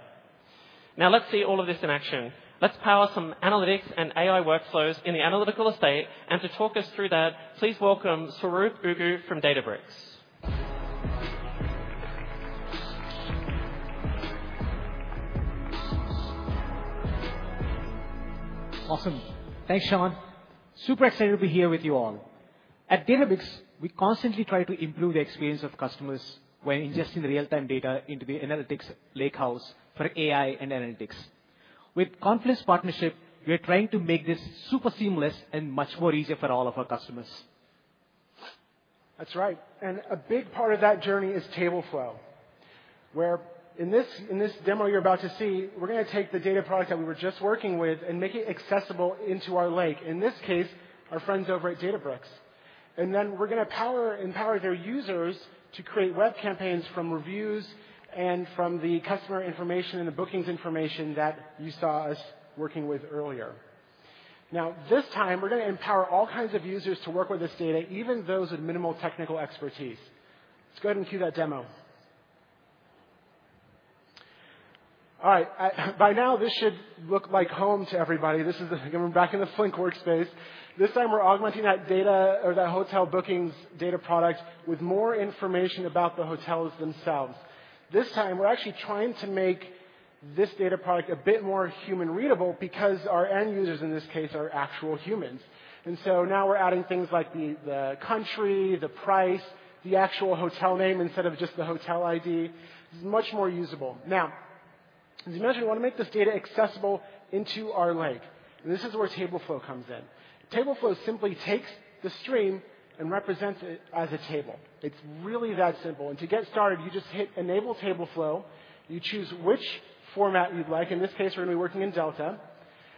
Now, let's see all of this in action. Let's power some analytics and AI workflows in the analytical estate, and to talk us through that, please welcome Swaroop Oggu from Databricks. Awesome. Thanks, Shaun. Super excited to be here with you all. At Databricks, we constantly try to improve the experience of customers when ingesting real-time data into the analytics lakehouse for AI and analytics. With Confluent's partnership, we're trying to make this super seamless and much more easier for all of our customers. That's right. And a big part of that journey is Tableflow, where in this demo you're about to see, we're going to take the data product that we were just working with and make it accessible into our lake, in this case, our friends over at Databricks. And then we're going to empower their users to create web campaigns from reviews and from the customer information and the bookings information that you saw us working with earlier. Now, this time, we're going to empower all kinds of users to work with this data, even those with minimal technical expertise. Let's go ahead and cue that demo. All right. By now, this should look like home to everybody. This is going to be back in the Flink workspace. This time, we're augmenting that data or that hotel bookings data product with more information about the hotels themselves. This time, we're actually trying to make this data product a bit more human-readable because our end users, in this case, are actual humans, and so now we're adding things like the country, the price, the actual hotel name instead of just the hotel ID. It's much more usable. Now, as you mentioned, we want to make this data accessible into our lake, and this is where Tableflow comes in. Tableflow simply takes the stream and represents it as a table. It's really that simple, and to get started, you just hit "Enable Tableflow." You choose which format you'd like. In this case, we're going to be working in Delta,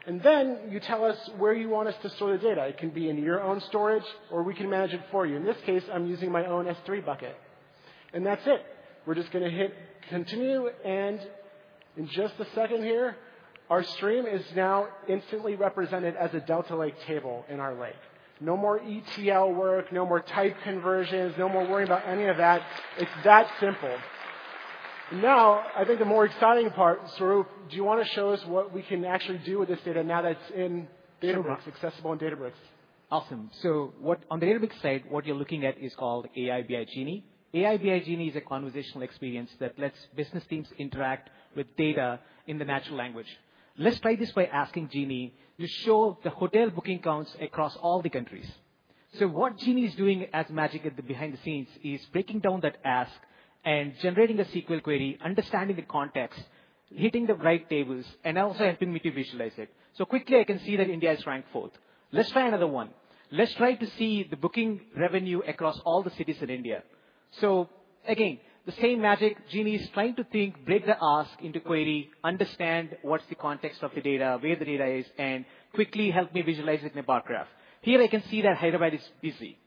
and then you tell us where you want us to store the data. It can be in your own storage, or we can manage it for you. In this case, I'm using my own S3 bucket, and that's it. We're just going to hit "Continue." In just a second here, our stream is now instantly represented as a Delta Lake table in our lake. No more ETL work, no more type conversions, no more worrying about any of that. It's that simple. Now, I think the more exciting part, Swaroop, do you want to show us what we can actually do with this data now that it's in Databricks, accessible in Databricks? Awesome. So on the Databricks side, what you're looking at is called AI/BI Genie. AI/BI Genie is a conversational experience that lets business teams interact with data in natural language. Let's try this by asking Genie to show the hotel booking counts across all the countries. So what Genie is doing some magic behind the scenes is breaking down that ask and generating a SQL query, understanding the context, hitting the right tables, and also helping me to visualize it. So quickly, I can see that India is ranked fourth. Let's try another one. Let's try to see the booking revenue across all the cities in India. So again, the same magic. Genie is trying to think, break the ask into a query, understand what's the context of the data, where the data is, and quickly help me visualize it in a bar graph. Here, I can see that Hyderabad is busy,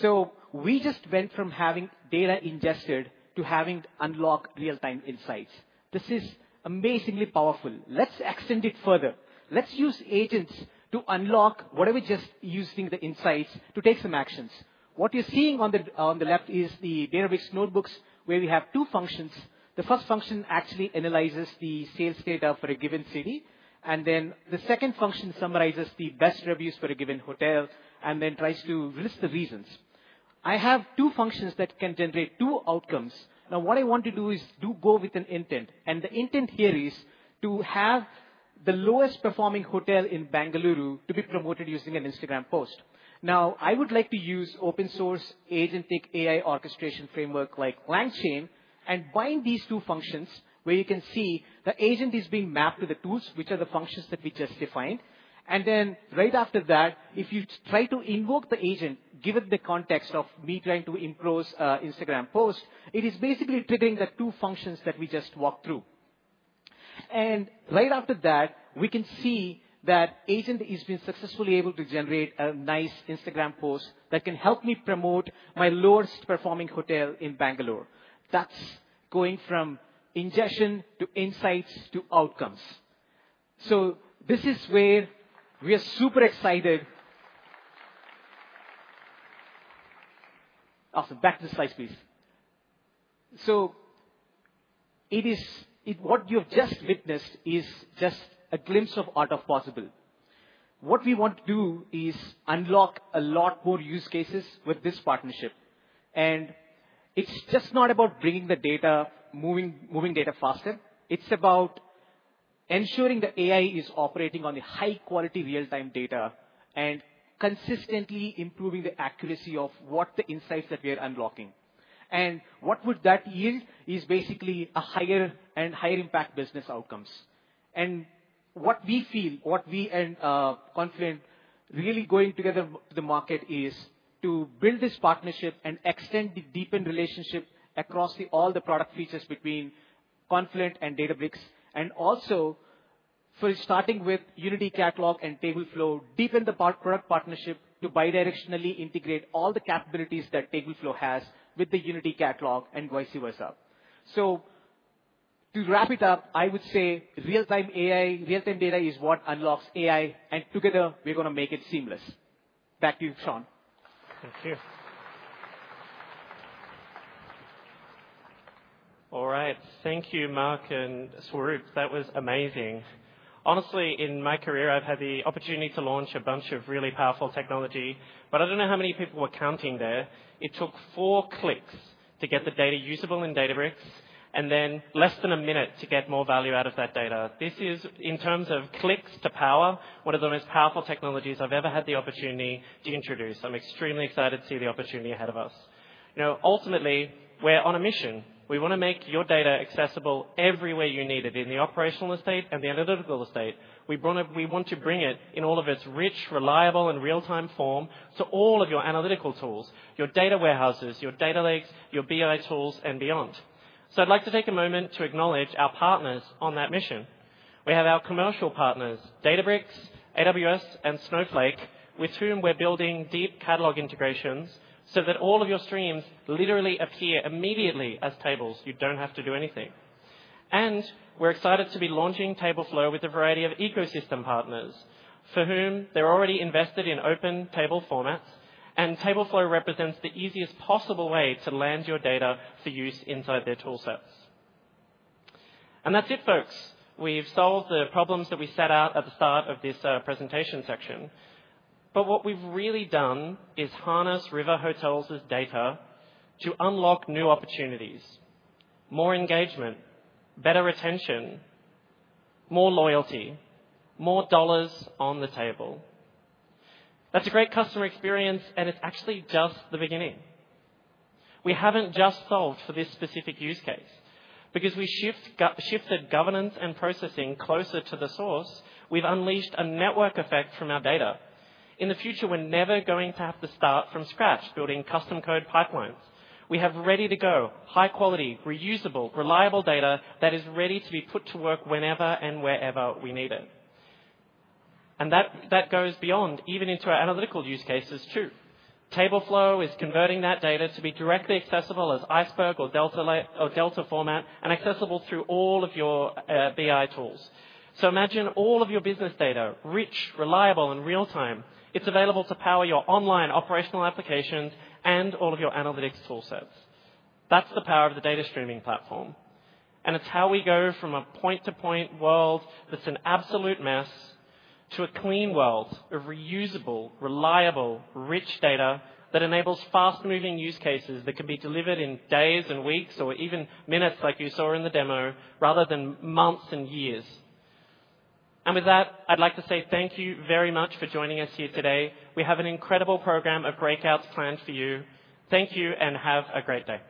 so we just went from having data ingested to having unlocked real-time insights. This is amazingly powerful. Let's extend it further. Let's use agents to unlock whatever we just used in the insights to take some actions. What you're seeing on the left is the Databricks notebooks where we have two functions. The first function actually analyzes the sales data for a given city, and then the second function summarizes the best reviews for a given hotel and then tries to list the reasons. I have two functions that can generate two outcomes. Now, what I want to do is go with an intent, and the intent here is to have the lowest performing hotel in Bengaluru to be promoted using an Instagram post. Now, I would like to use open-source agentic AI orchestration framework like LangChain and bind these two functions where you can see the agent is being mapped to the tools, which are the functions that we just defined. And then right after that, if you try to invoke the agent, give it the context of me trying to compose an Instagram post, it is basically triggering the two functions that we just walked through. And right after that, we can see that the agent has been successfully able to generate a nice Instagram post that can help me promote my lowest performing hotel in Bangalore. That's going from ingestion to insights to outcomes. So this is where we are super excited. Awesome. Back to the slides, please. So what you have just witnessed is just a glimpse of the art of the possible. What we want to do is unlock a lot more use cases with this partnership. And it's just not about bringing the data, moving data faster. It's about ensuring that AI is operating on the high-quality real-time data and consistently improving the accuracy of what the insights that we are unlocking. And what would that yield is basically higher and higher impact business outcomes. And what we feel, what we and Confluent really going together to the market is to build this partnership and extend the deepened relationship across all the product features between Confluent and Databricks. And also, starting with Unity Catalog and Tableflow, deepen the product partnership to bidirectionally integrate all the capabilities that Tableflow has with the Unity Catalog and vice versa. So to wrap it up, I would say real-time AI, real-time data is what unlocks AI. And together, we're going to make it seamless. Back to you, Shaun. Thank you. All right. Thank you, Marc and Swaroop. That was amazing. Honestly, in my career, I've had the opportunity to launch a bunch of really powerful technology. But I don't know how many people were counting there. It took four clicks to get the data usable in Databricks and then less than a minute to get more value out of that data. This is, in terms of clicks to power, one of the most powerful technologies I've ever had the opportunity to introduce. I'm extremely excited to see the opportunity ahead of us. Ultimately, we're on a mission. We want to make your data accessible everywhere you need it in the operational estate and the analytical estate. We want to bring it in all of its rich, reliable, and real-time form to all of your analytical tools, your data warehouses, your data lakes, your BI tools, and beyond. So I'd like to take a moment to acknowledge our partners on that mission. We have our commercial partners, Databricks, AWS, and Snowflake, with whom we're building deep catalog integrations so that all of your streams literally appear immediately as tables. You don't have to do anything. And we're excited to be launching Tableflow with a variety of ecosystem partners for whom they're already invested in open table formats. And Tableflow represents the easiest possible way to land your data for use inside their tool sets. And that's it, folks. We've solved the problems that we set out at the start of this presentation section. But what we've really done is harness River Hotels' data to unlock new opportunities, more engagement, better retention, more loyalty, more dollars on the table. That's a great customer experience, and it's actually just the beginning. We haven't just solved for this specific use case. Because we shifted governance and processing closer to the source, we've unleashed a network effect from our data. In the future, we're never going to have to start from scratch building custom code pipelines. We have ready-to-go, high-quality, reusable, reliable data that is ready to be put to work whenever and wherever we need it, and that goes beyond even into our analytical use cases, too. Tableflow is converting that data to be directly accessible as Iceberg or Delta format and accessible through all of your BI tools, so imagine all of your business data rich, reliable, and real-time. It's available to power your online operational applications and all of your analytics tool sets. That's the power of the data streaming platform. And it's how we go from a point-to-point world that's an absolute mess to a clean world of reusable, reliable, rich data that enables fast-moving use cases that can be delivered in days and weeks or even minutes, like you saw in the demo, rather than months and years. And with that, I'd like to say thank you very much for joining us here today. We have an incredible program of breakouts planned for you. Thank you, and have a great day.